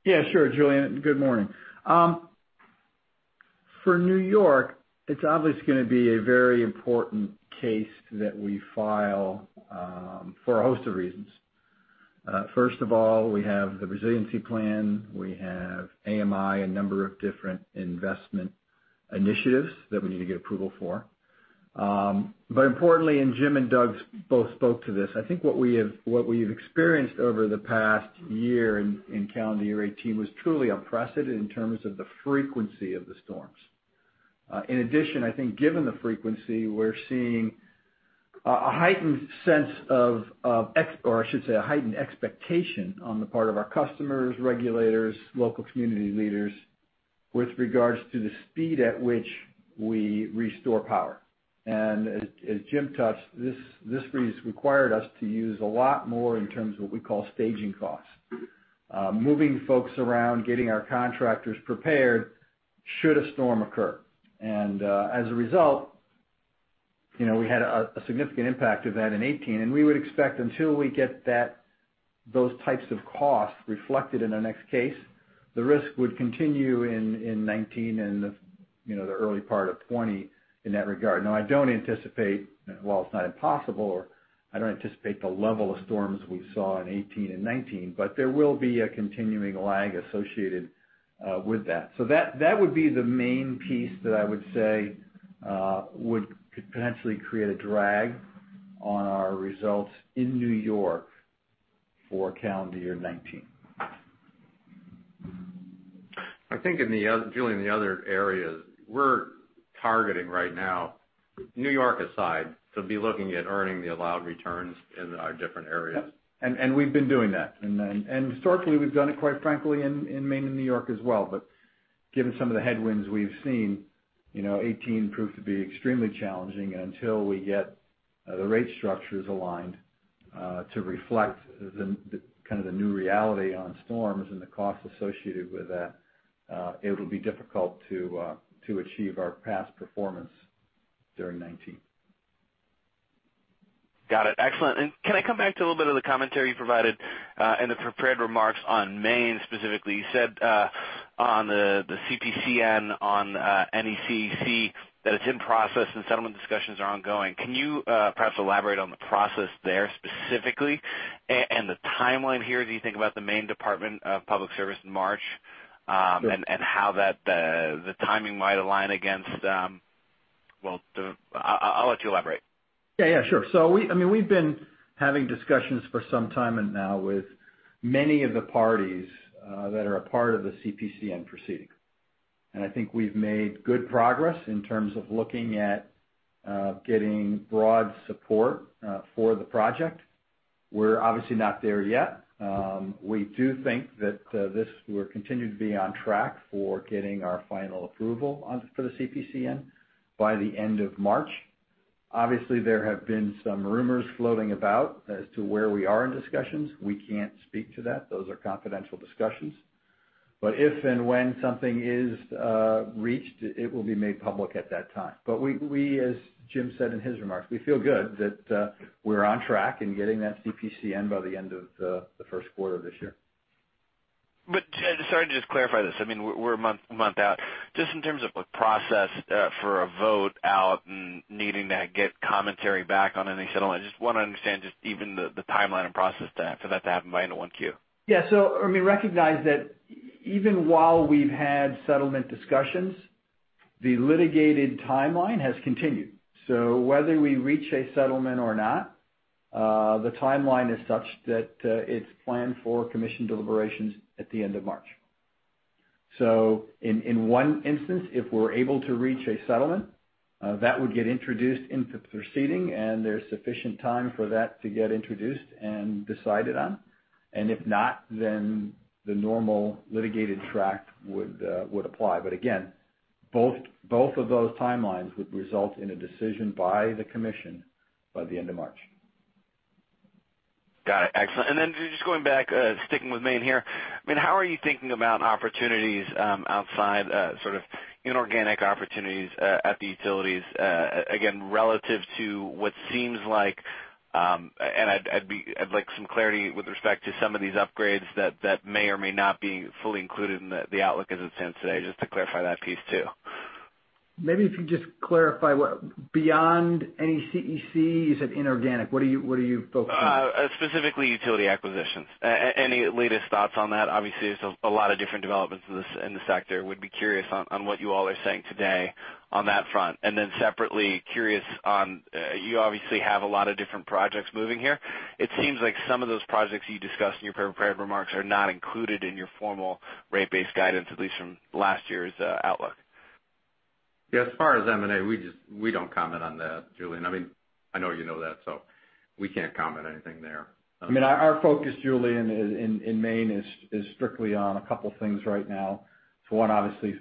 Yeah, sure, Julien. Good morning. For New York, it's obviously going to be a very important case that we file for a host of reasons. First of all, we have the resiliency plan, we have AMI, a number of different investment initiatives that we need to get approval for. Importantly, Jim and Doug both spoke to this, I think what we have experienced over the past year in calendar year 2018 was truly unprecedented in terms of the frequency of the storms. In addition, I think given the frequency, we're seeing a heightened sense of, or I should say, a heightened expectation on the part of our customers, regulators, local community leaders with regards to the speed at which we restore power. As Jim touched, this required us to use a lot more in terms of what we call staging costs. Moving folks around, getting our contractors prepared should a storm occur. As a result, we had a significant impact event in 2018, and we would expect until we get those types of costs reflected in the next case, the risk would continue in 2019 and the early part of 2020 in that regard. I don't anticipate, while it's not impossible, or I don't anticipate the level of storms we saw in 2018 and 2019, but there will be a continuing lag associated with that. That would be the main piece that I would say could potentially create a drag on our results in New York for calendar year 2019. I think, Julien, the other areas we're targeting right now, New York aside, to be looking at earning the allowed returns in our different areas. We've been doing that. Historically, we've done it, quite frankly, in Maine and New York as well. Given some of the headwinds we've seen, 2018 proved to be extremely challenging. Until we get the rate structures aligned to reflect kind of the new reality on storms and the cost associated with that, it'll be difficult to achieve our past performance during 2019. Got it. Excellent. Can I come back to a little bit of the commentary you provided in the prepared remarks on Maine specifically? You said on the CPCN, on NECEC, that it's in process and settlement discussions are ongoing. Can you perhaps elaborate on the process there specifically and the timeline here as you think about the Maine Department of Public Safety in March? Well, I'll let you elaborate. Yeah. Sure. We've been having discussions for some time now with many of the parties that are a part of the CPCN proceeding. I think we've made good progress in terms of looking at getting broad support for the project. We're obviously not there yet. We do think that this will continue to be on track for getting our final approval for the CPCN by the end of March. Obviously, there have been some rumors floating about as to where we are in discussions. We can't speak to that. Those are confidential discussions. But if and when something is reached, it will be made public at that time. We, as Jim said in his remarks, we feel good that we're on track in getting that CPCN by the end of the first quarter of this year. Just sorry, to just clarify this, we're a month out. Just in terms of a process for a vote out and needing to get commentary back on any settlement, I just want to understand just even the timeline and process for that to happen by into 1Q. Yeah. Recognize that even while we've had settlement discussions, the litigated timeline has continued. Whether we reach a settlement or not, the timeline is such that it's planned for Commission deliberations at the end of March. In one instance, if we're able to reach a settlement, that would get introduced into the proceeding, and there's sufficient time for that to get introduced and decided on. If not, then the normal litigated track would apply. Again, both of those timelines would result in a decision by the Commission by the end of March. Got it. Excellent. Then just going back, sticking with Maine here, how are you thinking about opportunities outside, sort of inorganic opportunities at the utilities, again, relative to what seems like, and I'd like some clarity with respect to some of these upgrades that may or may not be fully included in the outlook as it stands today, just to clarify that piece too. Maybe if you just clarify what beyond NECEC, you said inorganic. What are you focusing on? Specifically utility acquisitions. Any latest thoughts on that? Obviously, there's a lot of different developments in the sector. Would be curious on what you all are saying today on that front. Then separately, curious on, you obviously have a lot of different projects moving here. It seems like some of those projects you discussed in your prepared remarks are not included in your formal rate base guidance, at least from last year's outlook. Yeah, as far as M&A, we don't comment on that, Julian. I know you know that, so we can't comment anything there. Our focus, Julian, in Maine is strictly on a couple things right now. For one, obviously,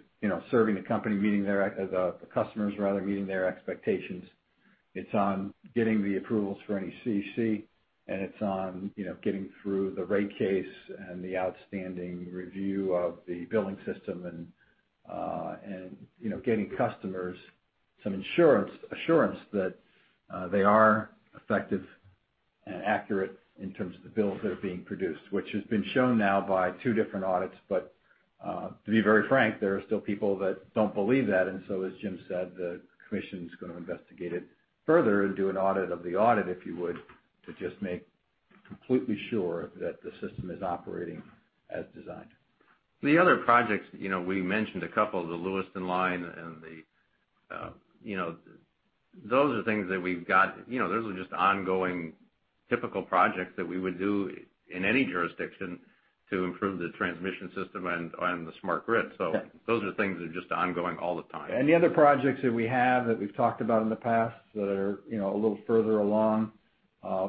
serving the company, meeting their, the customers, rather, meeting their expectations. It's on getting the approvals for NECEC, and it's on getting through the rate case and the outstanding review of the billing system and getting customers some assurance that they are effective and accurate in terms of the bills that are being produced, which has been shown now by two different audits. To be very frank, there are still people that don't believe that, and so as Jim said, the commission's going to investigate it further and do an audit of the audit, if you would, to just make completely sure that the system is operating as designed. The other projects, we mentioned a couple, the Lewiston Loop. Those are things that we've got. Those are just ongoing, typical projects that we would do in any jurisdiction to improve the transmission system and on the smart grid. Yeah. Those are things that are just ongoing all the time. The other projects that we have that we've talked about in the past that are a little further along,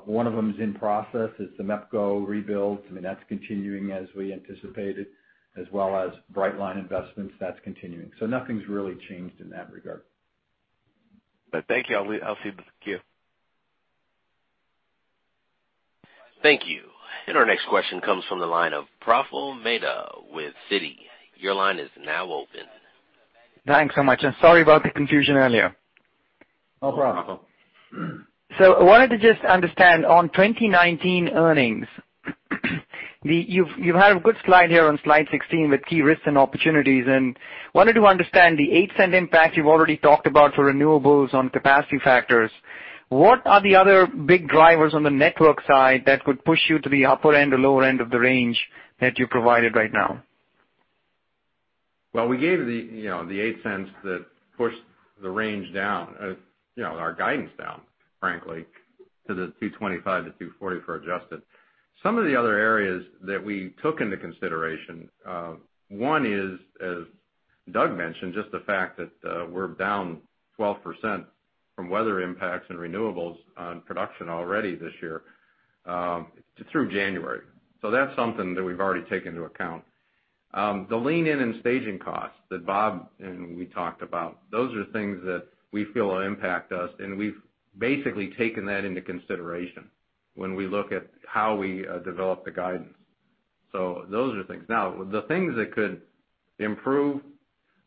one of them is in process. It's the MEPCO rebuild. That's continuing as we anticipated. As well as Brightline investments, that's continuing. Nothing's really changed in that regard. Thank you. I'll cede back the queue. Thank you. Our next question comes from the line of Prafull Mehta with Citi. Your line is now open. Thanks so much, and sorry about the confusion earlier. No problem. No problem. I wanted to just understand on 2019 earnings, you've had a good slide here on slide 16 with key risks and opportunities, and wanted to understand the $0.08 impact you've already talked about for renewables on capacity factors. What are the other big drivers on the network side that could push you to the upper end or lower end of the range that you provided right now? We gave the $0.08 that pushed the range down, our guidance down, frankly, to the $2.25-$2.40 for adjusted. Some of the other areas that we took into consideration, one is, as Doug mentioned, just the fact that we're down 12% from weather impacts and renewables on production already this year through January. That's something that we've already taken into account. The lean-in and staging costs that Bob and we talked about, those are things that we feel will impact us, and we've basically taken that into consideration when we look at how we develop the guidance. Those are things. The things that could improve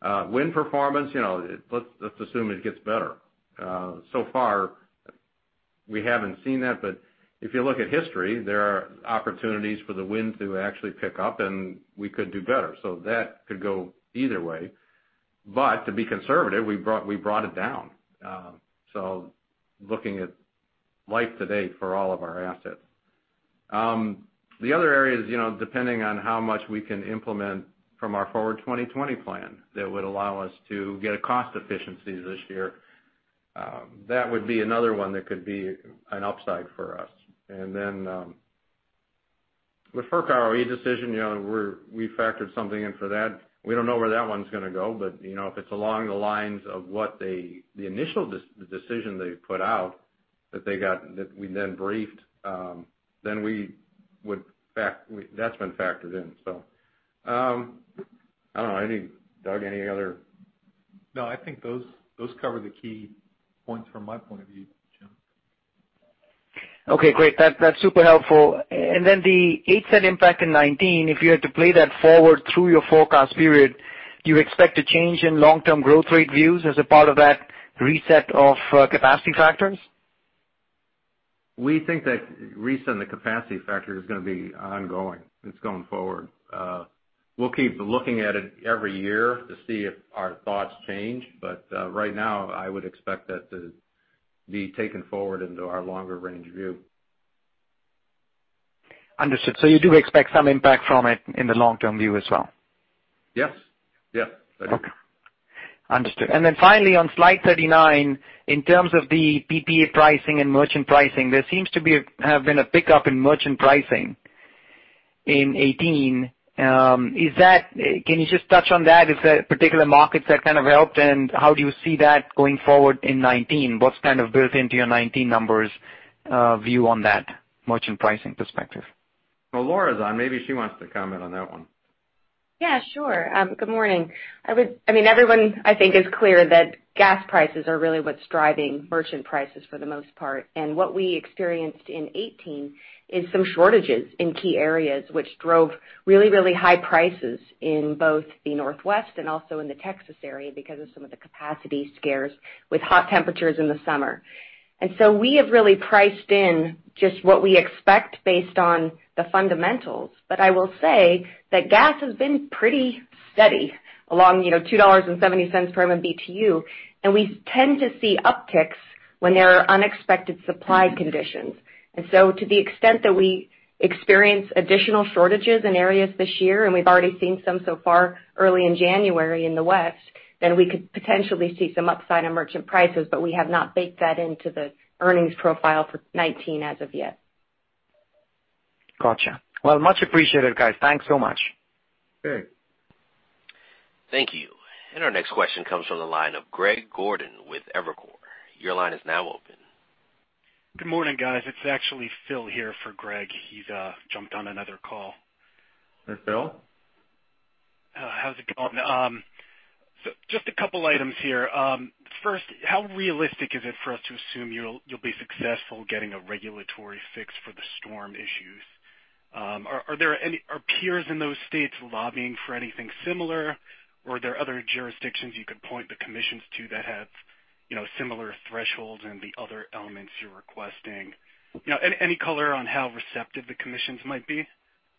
wind performance, let's assume it gets better. Far, we haven't seen that, but if you look at history, there are opportunities for the wind to actually pick up, and we could do better. That could go either way. To be conservative, we brought it down. Looking at life to date for all of our assets. The other areas, depending on how much we can implement from our Forward 2020+ plan, that would allow us to get a cost efficiency this year. That would be another one that could be an upside for us. With FERC ROE decision, we factored something in for that. We don't know where that one's going to go, but if it's along the lines of what the initial decision they put out that we then briefed, that's been factored in. I don't know. Doug, any other? No, I think those cover the key points from my point of view, Jim. Okay, great. That's super helpful. The $0.08 impact in 2019, if you had to play that forward through your forecast period, do you expect a change in long-term growth rate views as a part of that reset of capacity factors? We think that reset in the capacity factor is going to be ongoing. It's going forward. We'll keep looking at it every year to see if our thoughts change, but right now, I would expect that to be taken forward into our longer-range view. Understood. You do expect some impact from it in the long-term view as well? Yes. Okay. Understood. Finally on slide 39, in terms of the PPA pricing and merchant pricing, there seems to have been a pickup in merchant pricing in 2018. Can you just touch on that? Is that particular markets that kind of helped, and how do you see that going forward in 2019? What's kind of built into your 2019 numbers view on that merchant pricing perspective? Laura's on, maybe she wants to comment on that one. Good morning. Everyone, I think, is clear that gas prices are really what's driving merchant prices for the most part. What we experienced in 2018 is some shortages in key areas, which drove really high prices in both the Northwest and also in the Texas area because of some of the capacity scares with hot temperatures in the summer. We have really priced in just what we expect based on the fundamentals. I will say that gas has been pretty steady along $2.70 per MMBtu, and we tend to see upticks when there are unexpected supply conditions. To the extent that we experience additional shortages in areas this year, we've already seen some so far early in January in the West, we could potentially see some upside in merchant prices, but we have not baked that into the earnings profile for 2019 as of yet. Got you. Well, much appreciated, guys. Thanks so much. Okay. Thank you. Our next question comes from the line of Greg Gordon with Evercore. Your line is now open. Good morning, guys. It's actually Phil here for Greg. He's jumped on another call. Hey, Phil. How's it going? Just a couple items here. First, how realistic is it for us to assume you'll be successful getting a regulatory fix for the storm issues? Are peers in those states lobbying for anything similar? Or are there other jurisdictions you could point the commissions to that have similar thresholds and the other elements you're requesting? Any color on how receptive the commissions might be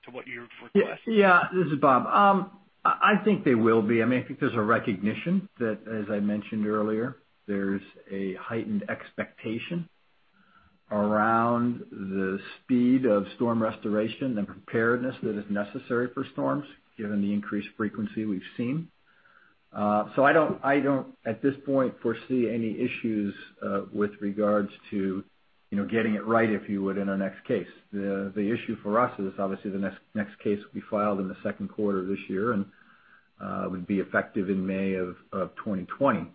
to what you've requested? Yeah. This is Bob. I think they will be. I think there's a recognition that, as I mentioned earlier, there's a heightened expectation around the speed of storm restoration and preparedness that is necessary for storms, given the increased frequency we've seen. I don't, at this point, foresee any issues with regards to getting it right, if you would, in our next case. The issue for us is obviously the next case will be filed in the second quarter of this year and would be effective in May of 2020.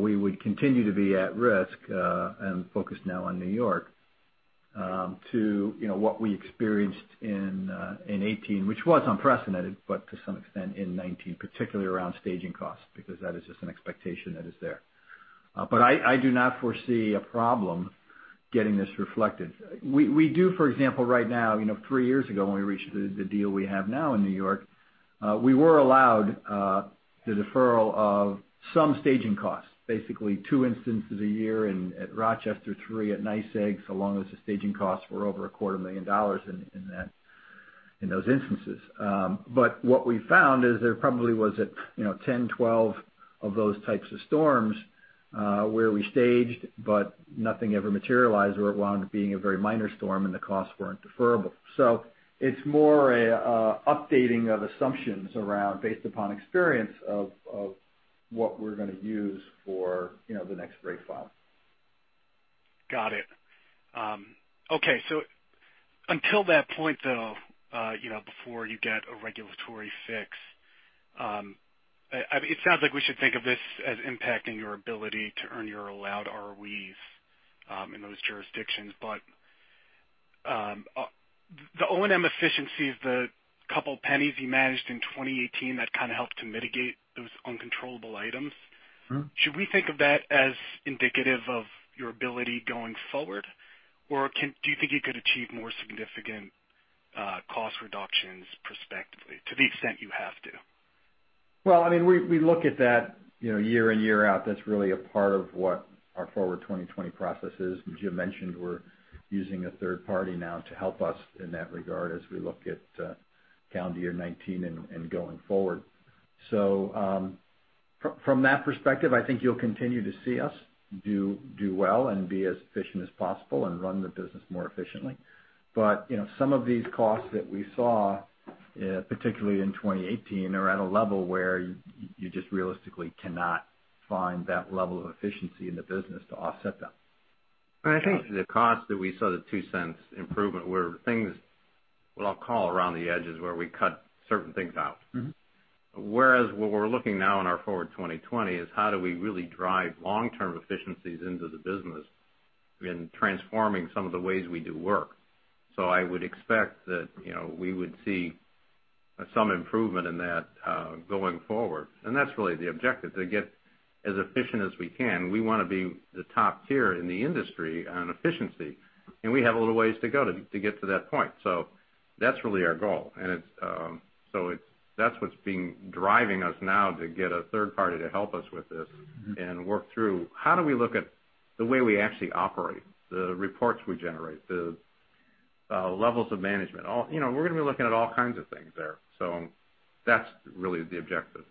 We would continue to be at risk, and focused now on New York, to what we experienced in 2018, which was unprecedented, but to some extent in 2019, particularly around staging costs, because that is just an expectation that is there. I do not foresee a problem getting this reflected. We do, for example, right now, three years ago when we reached the deal we have now in New York, we were allowed the deferral of some staging costs. Basically, two instances a year at Rochester Gas and Electric, at NYSEG, so long as the staging costs were over a quarter of a million dollars in those instances. What we found is there probably was at 10, 12 of those types of storms, where we staged, but nothing ever materialized, or it wound up being a very minor storm and the costs weren't deferrable. It's more an updating of assumptions based upon experience of what we're going to use for the next rate file. Got it. Okay. Until that point, though, before you get a regulatory fix, it sounds like we should think of this as impacting your ability to earn your allowed ROEs in those jurisdictions, but the O&M efficiencies, the couple pennies you managed in 2018 that kind of helped to mitigate those uncontrollable items. Should we think of that as indicative of your ability going forward, or do you think you could achieve more significant cost reductions prospectively to the extent you have to? Well, we look at that year in, year out. That's really a part of what our Forward 2020 process is. As Jim mentioned, we're using a third party now to help us in that regard as we look at calendar year 2019 and going forward. From that perspective, I think you'll continue to see us do well and be as efficient as possible and run the business more efficiently. Some of these costs that we saw, particularly in 2018, are at a level where you just realistically cannot find that level of efficiency in the business to offset them. I think the cost that we saw, the $0.02 improvement, were things what I'll call around the edges, where we cut certain things out. Whereas what we're looking now in our Forward 2020+ is how do we really drive long-term efficiencies into the business in transforming some of the ways we do work. I would expect that we would see some improvement in that going forward. That's really the objective, to get as efficient as we can. We want to be the top tier in the industry on efficiency, and we have a little ways to go to get to that point. That's really our goal. That's what's been driving us now to get a third party to help us with this and work through how do we look at the way we actually operate, the reports we generate, the levels of management. We're going to be looking at all kinds of things there. That's really the objective.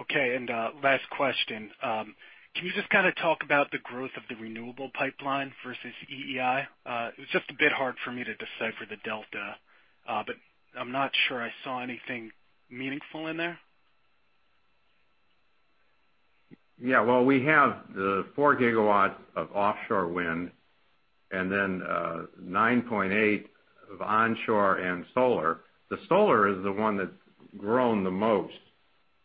Okay, last question. Can you just talk about the growth of the renewable pipeline versus EEI? It's just a bit hard for me to decipher the delta, I'm not sure I saw anything meaningful in there. Well, we have the 4 gigawatts of offshore wind and then 9.8 of onshore and solar. The solar is the one that's grown the most,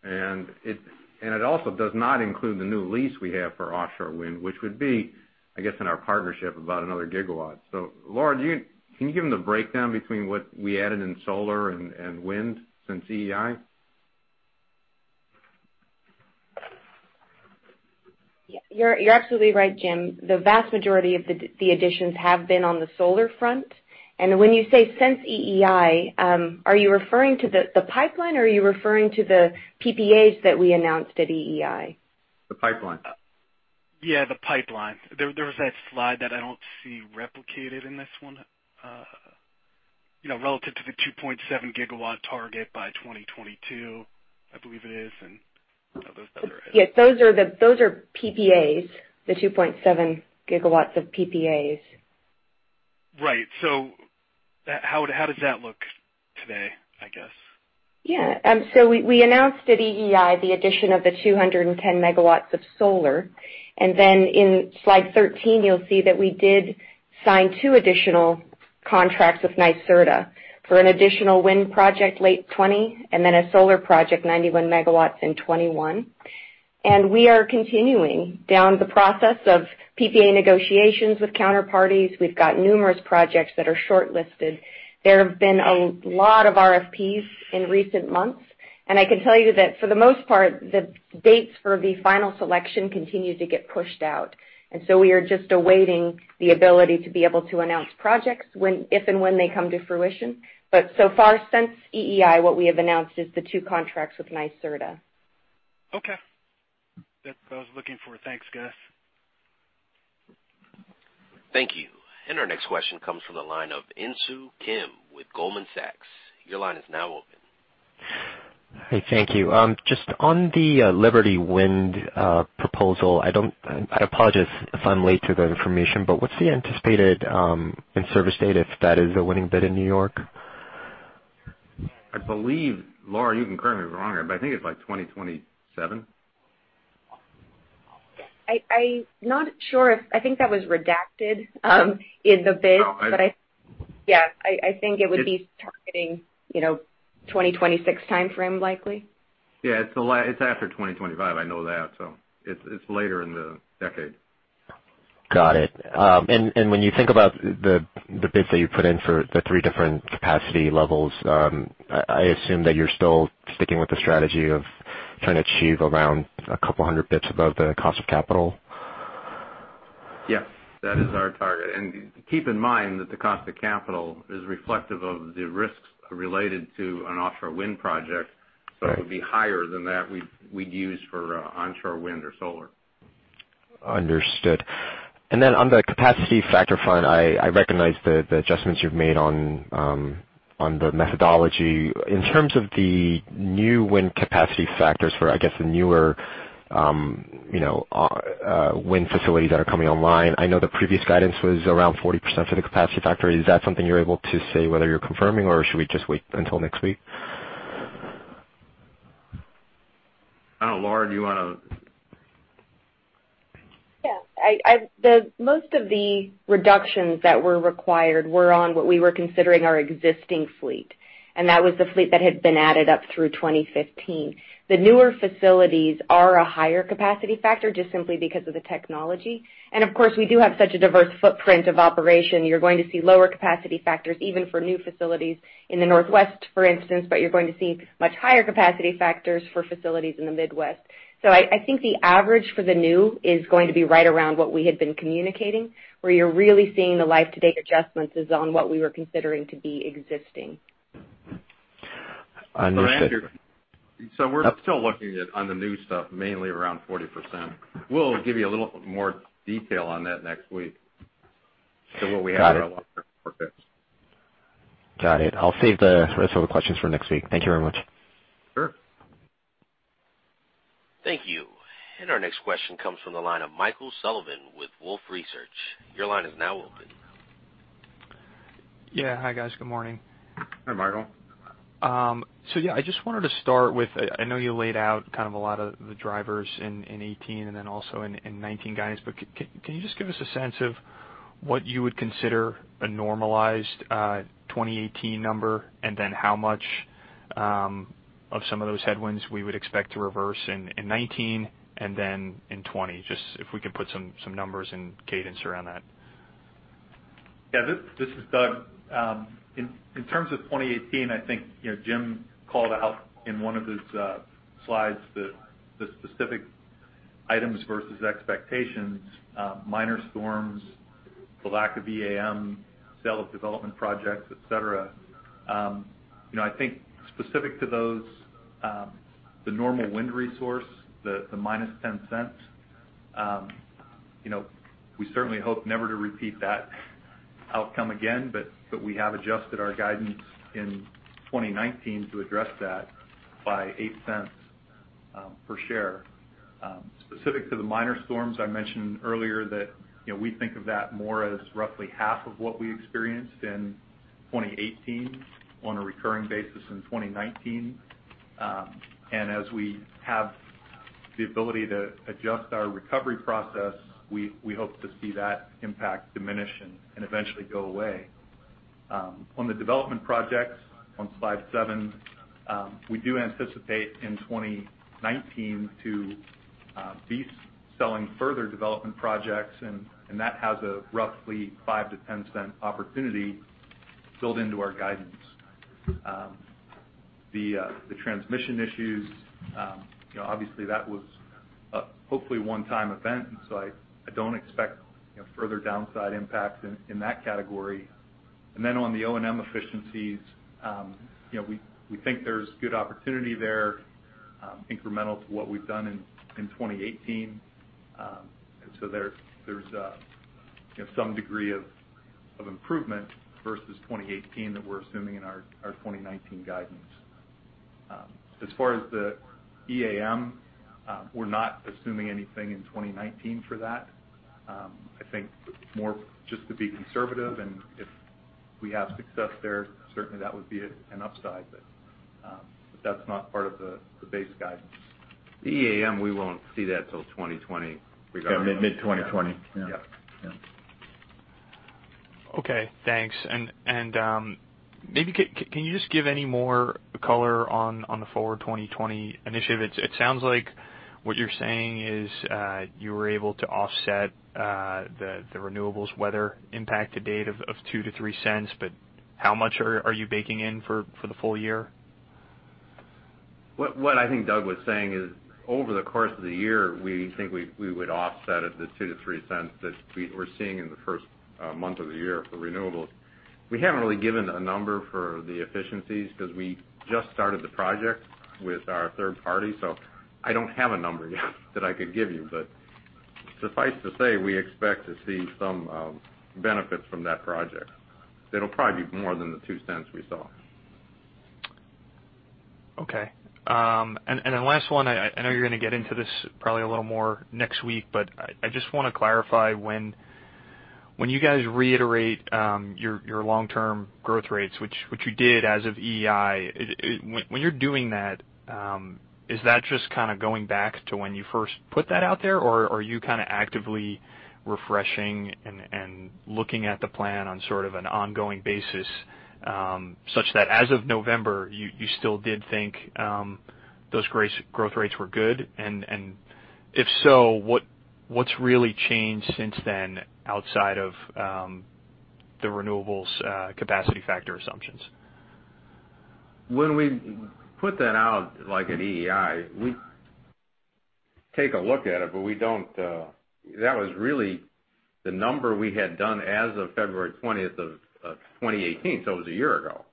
and it also does not include the new lease we have for offshore wind, which would be, I guess, in our partnership, about another gigawatt. Laura, can you give him the breakdown between what we added in solar and wind since EEI? You're absolutely right, Jim. The vast majority of the additions have been on the solar front. When you say since EEI, are you referring to the pipeline, or are you referring to the PPAs that we announced at EEI? The pipeline. Yeah, the pipeline. There was that slide that I don't see replicated in this one. Relative to the 2.7 gigawatt target by 2022, I believe it is. Yes, those are PPAs, the 2.7 gigawatts of PPAs. Right. How does that look today, I guess? Yeah. We announced at EEI the addition of the 210 megawatts of solar, then in slide 13, you'll see that we did sign two additional contracts with NYSERDA for an additional wind project late 2020, then a solar project, 91 megawatts, in 2021. We are continuing down the process of PPA negotiations with counterparties. We've got numerous projects that are shortlisted. There have been a lot of RFPs in recent months, and I can tell you that for the most part, the dates for the final selection continue to get pushed out. We are just awaiting the ability to be able to announce projects if and when they come to fruition. So far, since EEI, what we have announced is the two contracts with NYSERDA. Okay. That's what I was looking for. Thanks, guys. Thank you. Our next question comes from the line of Insoo Kim with Goldman Sachs. Your line is now open. Hi. Thank you. Just on the Liberty Wind proposal, I apologize if I'm late to the information, what's the anticipated in-service date if that is a winning bid in New York? I believe, Laura, you can correct me if I'm wrong here, I think it's like 2027. I'm not sure. I think that was redacted in the bid. Oh. I think it would be targeting 2026 timeframe, likely. It's after 2025, I know that. It's later in the decade. Got it. When you think about the bids that you put in for the three different capacity levels, I assume that you're still sticking with the strategy of trying to achieve around 200 basis points above the cost of capital? Yes, that is our target. Keep in mind that the cost of capital is reflective of the risks related to an offshore wind project. Right. It would be higher than that we'd use for onshore wind or solar. Understood. On the capacity factor front, I recognize the adjustments you've made on the methodology. In terms of the new wind capacity factors for, I guess, the newer wind facilities that are coming online, I know the previous guidance was around 40% for the capacity factor. Is that something you're able to say whether you're confirming, or should we just wait until next week? I don't know, Laura, do you want to? Yeah. Most of the reductions that were required were on what we were considering our existing fleet, and that was the fleet that had been added up through 2015. The newer facilities are a higher capacity factor, just simply because of the technology. Of course, we do have such a diverse footprint of operation. You're going to see lower capacity factors even for new facilities in the Northwest, for instance, but you're going to see much higher capacity factors for facilities in the Midwest. I think the average for the new is going to be right around what we had been communicating. Where you're really seeing the life to date adjustments is on what we were considering to be existing. Understood. Andrew, we're still looking at, on the new stuff, mainly around 40%. We'll give you a little more detail on that next week to what we have. Got it. around Got it. I'll save the rest of the questions for next week. Thank you very much. Sure. Thank you. Our next question comes from the line of Michael Sullivan with Wolfe Research. Your line is now open. Hi, guys. Good morning. Hi, Michael. I just wanted to start with, I know you laid out kind of a lot of the drivers in 2018 and then also in 2019, guys, can you just give us a sense of what you would consider a normalized 2018 number, and then how much of some of those headwinds we would expect to reverse in 2019 and then in 2020? Just if we could put some numbers and cadence around that. This is Doug. In terms of 2018, I think Jim called out in one of his slides the specific items versus expectations, minor storms, the lack of EAM, sale of development projects, et cetera. I think specific to those, the normal wind resource, the -$0.10, we certainly hope never to repeat that outcome again. We have adjusted our guidance in 2019 to address that by $0.08 per share. Specific to the minor storms, I mentioned earlier that we think of that more as roughly half of what we experienced in 2018 on a recurring basis in 2019. As we have the ability to adjust our recovery process, we hope to see that impact diminish and eventually go away. On the development projects, on slide seven, we do anticipate in 2019 to be selling further development projects, and that has a roughly $0.05 to $0.10 opportunity built into our guidance. The transmission issues, obviously that was a, hopefully, one-time event, I don't expect further downside impacts in that category. On the O&M efficiencies, we think there's good opportunity there, incremental to what we've done in 2018. There's some degree of improvement versus 2018 that we're assuming in our 2019 guidance. As far as the EAM, we're not assuming anything in 2019 for that. I think more just to be conservative, and if we have success there, certainly that would be an upside. That's not part of the base guidance. The EAM, we won't see that till 2020, regardless. Yeah, mid 2020. Yeah. Yeah. Yeah. Okay, thanks. Maybe can you just give any more color on the Forward 2020+ initiative? It sounds like what you're saying is, you were able to offset the renewables weather impact to date of $0.02 to $0.03, how much are you baking in for the full year? What I think Doug was saying is, over the course of the year, we think we would offset the $0.02-$0.03 that we're seeing in the first month of the year for renewables. We haven't really given a number for the efficiencies because we just started the project with our third party, so I don't have a number yet that I could give you. Suffice to say, we expect to see some benefits from that project. It'll probably be more than the $0.02 we saw. Okay. Last one, I know you're going to get into this probably a little more next week, but I just want to clarify when you guys reiterate your long-term growth rates, which you did as of EEI, when you're doing that, is that just kind of going back to when you first put that out there, or are you kind of actively refreshing and looking at the plan on sort of an ongoing basis, such that as of November, you still did think those growth rates were good? If so, what's really changed since then outside of the renewables capacity factor assumptions? When we put that out, like at EEI, we take a look at it, that was really the number we had done as of February 20th, 2018. It was a year ago.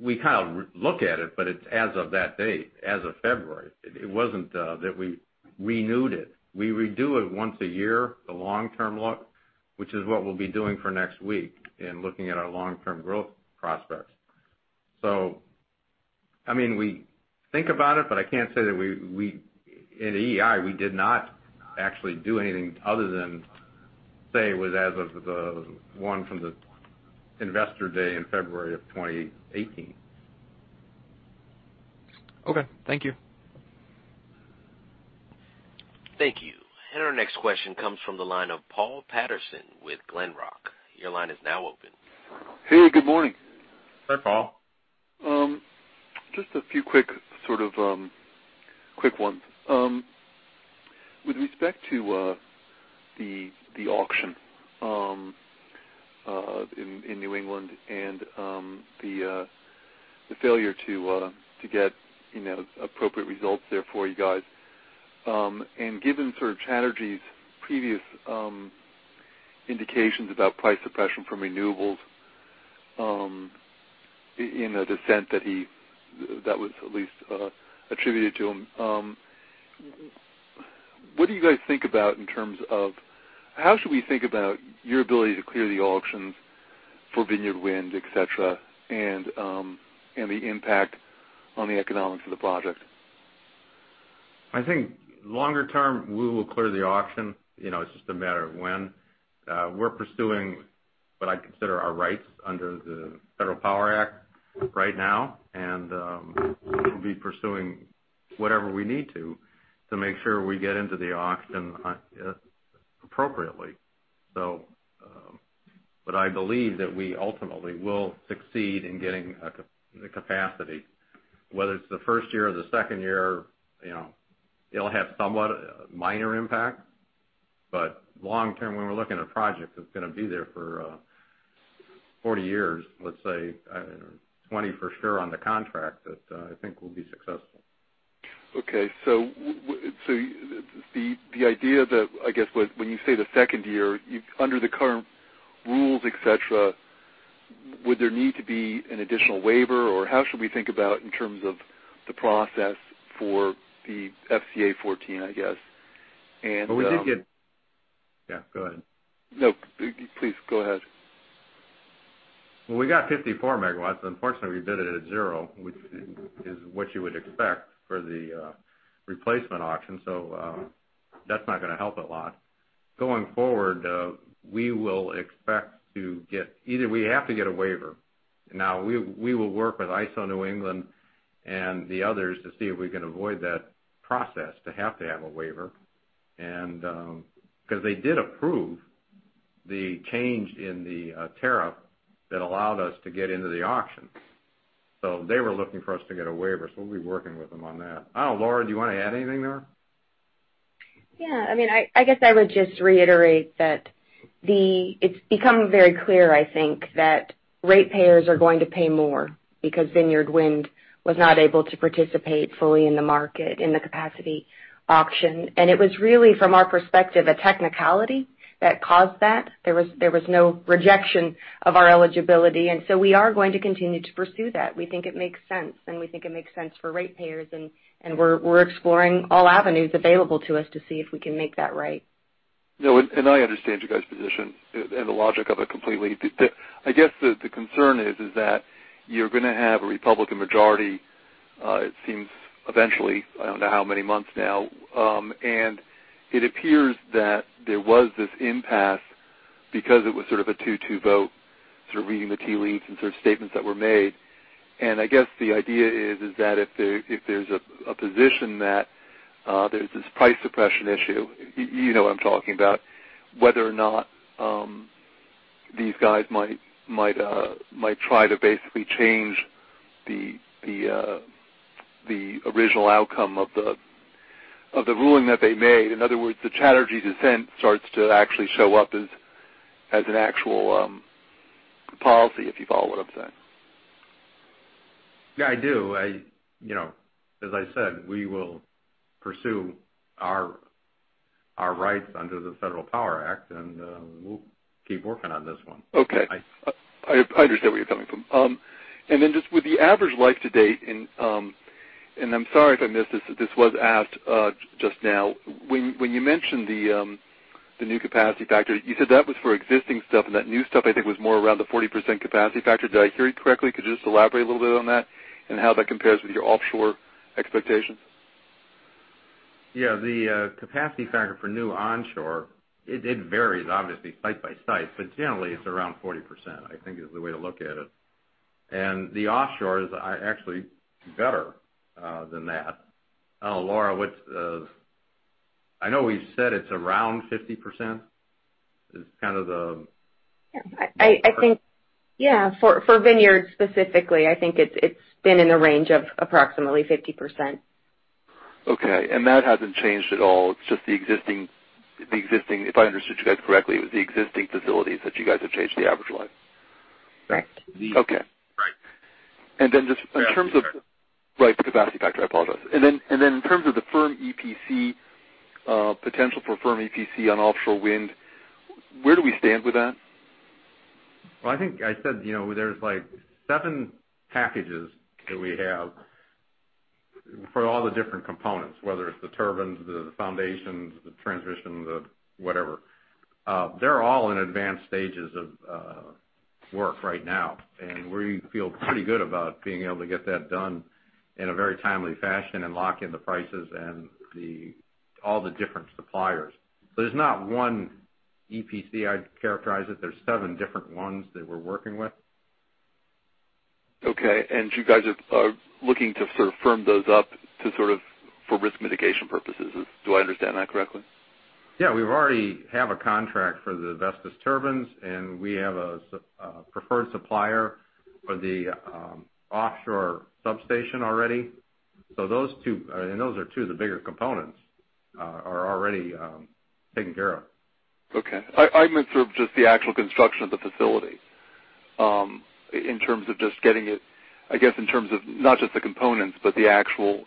We kind of look at it's as of that date, as of February. It wasn't that we renewed it. We redo it once a year, the long term look, which is what we'll be doing for next week in looking at our long-term growth prospects. We think about it, I can't say that at EEI, we did not actually do anything other than say it was as of the one from the investor day in February of 2018. Okay, thank you. Thank you. Our next question comes from the line of Paul Patterson with Glenrock. Your line is now open. Hey, good morning. Hey, Paul. Just a few quick ones. With respect to the auction in New England and the failure to get appropriate results there for you guys. Given sort of Chatterjee's previous indications about price suppression from renewables in a dissent that was at least attributed to him, what do you guys think about in terms of how should we think about your ability to clear the auctions for Vineyard Wind, et cetera, and the impact on the economics of the project? I think longer term, we will clear the auction. It's just a matter of when. We're pursuing what I consider our rights under the Federal Power Act right now, and we'll be pursuing whatever we need to make sure we get into the auction appropriately. I believe that we ultimately will succeed in getting the capacity. Whether it's the first year or the second year, it'll have somewhat minor impact. Long term, when we're looking at a project that's going to be there for 40 years, let's say, 20 for sure on the contract, that I think we'll be successful. Okay. The idea that, I guess when you say the second year, under the current rules, et cetera, would there need to be an additional waiver? Or how should we think about in terms of the process for the FCA 14, I guess? Well, we did get Yeah, go ahead. No. Please, go ahead. Well, we got 54 megawatts. Unfortunately, we bid it at zero, which is what you would expect for the replacement auction. That's not going to help a lot. Going forward, Either we have to get a waiver. Now, we will work with ISO New England and the others to see if we can avoid that process to have to have a waiver, because they did approve the change in the tariff that allowed us to get into the auction. They were looking for us to get a waiver. We'll be working with them on that. I don't know, Laura, do you want to add anything there? Yeah. I guess I would just reiterate that it's become very clear, I think, that ratepayers are going to pay more because Vineyard Wind was not able to participate fully in the market, in the capacity auction. It was really, from our perspective, a technicality that caused that. There was no rejection of our eligibility, so we are going to continue to pursue that. We think it makes sense, we think it makes sense for ratepayers, and we're exploring all avenues available to us to see if we can make that right. No, I understand you guys' position and the logic of it completely. I guess the concern is that you're going to have a Republican majority, it seems eventually, I don't know how many months now. It appears that there was this impasse because it was sort of a two-two vote, sort of reading the tea leaves and sort of statements that were made. I guess the idea is that if there's a position that there's this price suppression issue, you know what I'm talking about, whether or not these guys might try to basically change the original outcome of the ruling that they made. In other words, the Chatterjee dissent starts to actually show up as an actual policy, if you follow what I'm saying. Yeah, I do. As I said, we will pursue our rights under the Federal Power Act, we'll keep working on this one. I understand where you're coming from. Just with the average life to date, I'm sorry if I missed this, if this was asked just now. When you mentioned the new capacity factor, you said that was for existing stuff, and that new stuff, I think, was more around the 40% capacity factor. Did I hear you correctly? Could you just elaborate a little bit on that and how that compares with your offshore expectations? Yeah. The capacity factor for new onshore, it varies obviously site by site, but generally it's around 40%, I think is the way to look at it. The offshore is actually better than that. I don't know, Laura, I know we've said it's around 50% is kind of the. Yeah. I think, yeah, for Vineyard specifically, I think it's been in the range of approximately 50%. Okay. That hasn't changed at all. It's just the existing, if I understood you guys correctly, it was the existing facilities that you guys have changed the average life. Correct. The- Okay. Right. And then just in terms of- Yeah. Right, the capacity factor. I apologize. In terms of the firm EPC, potential for firm EPC on offshore wind, where do we stand with that? Well, I think I said there's seven packages that we have for all the different components, whether it's the turbines, the foundations, the transmission, the whatever. They're all in advanced stages of work right now, and we feel pretty good about being able to get that done in a very timely fashion and lock in the prices and all the different suppliers. There's not one EPC, I'd characterize it. There's seven different ones that we're working with. Okay. You guys are looking to sort of firm those up for risk mitigation purposes. Do I understand that correctly? Yeah. We already have a contract for the Vestas turbines, and we have a preferred supplier for the offshore substation already. Those two, and those are two of the bigger components, are already taken care of. Okay. I meant sort of just the actual construction of the facility, in terms of just getting it, I guess in terms of not just the components, but the actual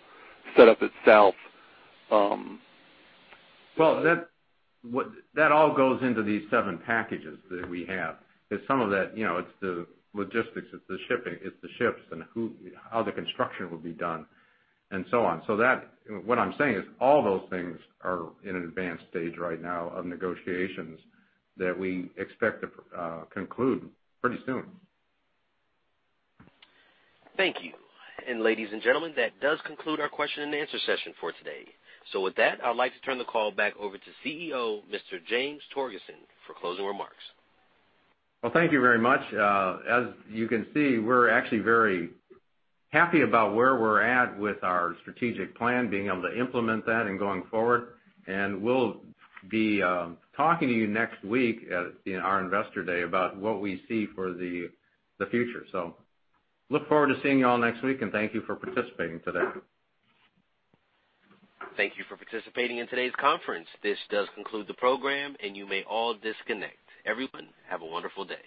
setup itself. Well, that all goes into these seven packages that we have, because some of that, it's the logistics, it's the shipping, it's the ships, and how the construction will be done, and so on. What I'm saying is all those things are in an advanced stage right now of negotiations that we expect to conclude pretty soon. Thank you. Ladies and gentlemen, that does conclude our question and answer session for today. With that, I would like to turn the call back over to CEO, Mr. James Torgerson, for closing remarks. Well, thank you very much. As you can see, we're actually very happy about where we're at with our strategic plan, being able to implement that and going forward. We'll be talking to you next week at our investor day about what we see for the future. Look forward to seeing you all next week, and thank you for participating today. Thank you for participating in today's conference. This does conclude the program. You may all disconnect. Everyone, have a wonderful day.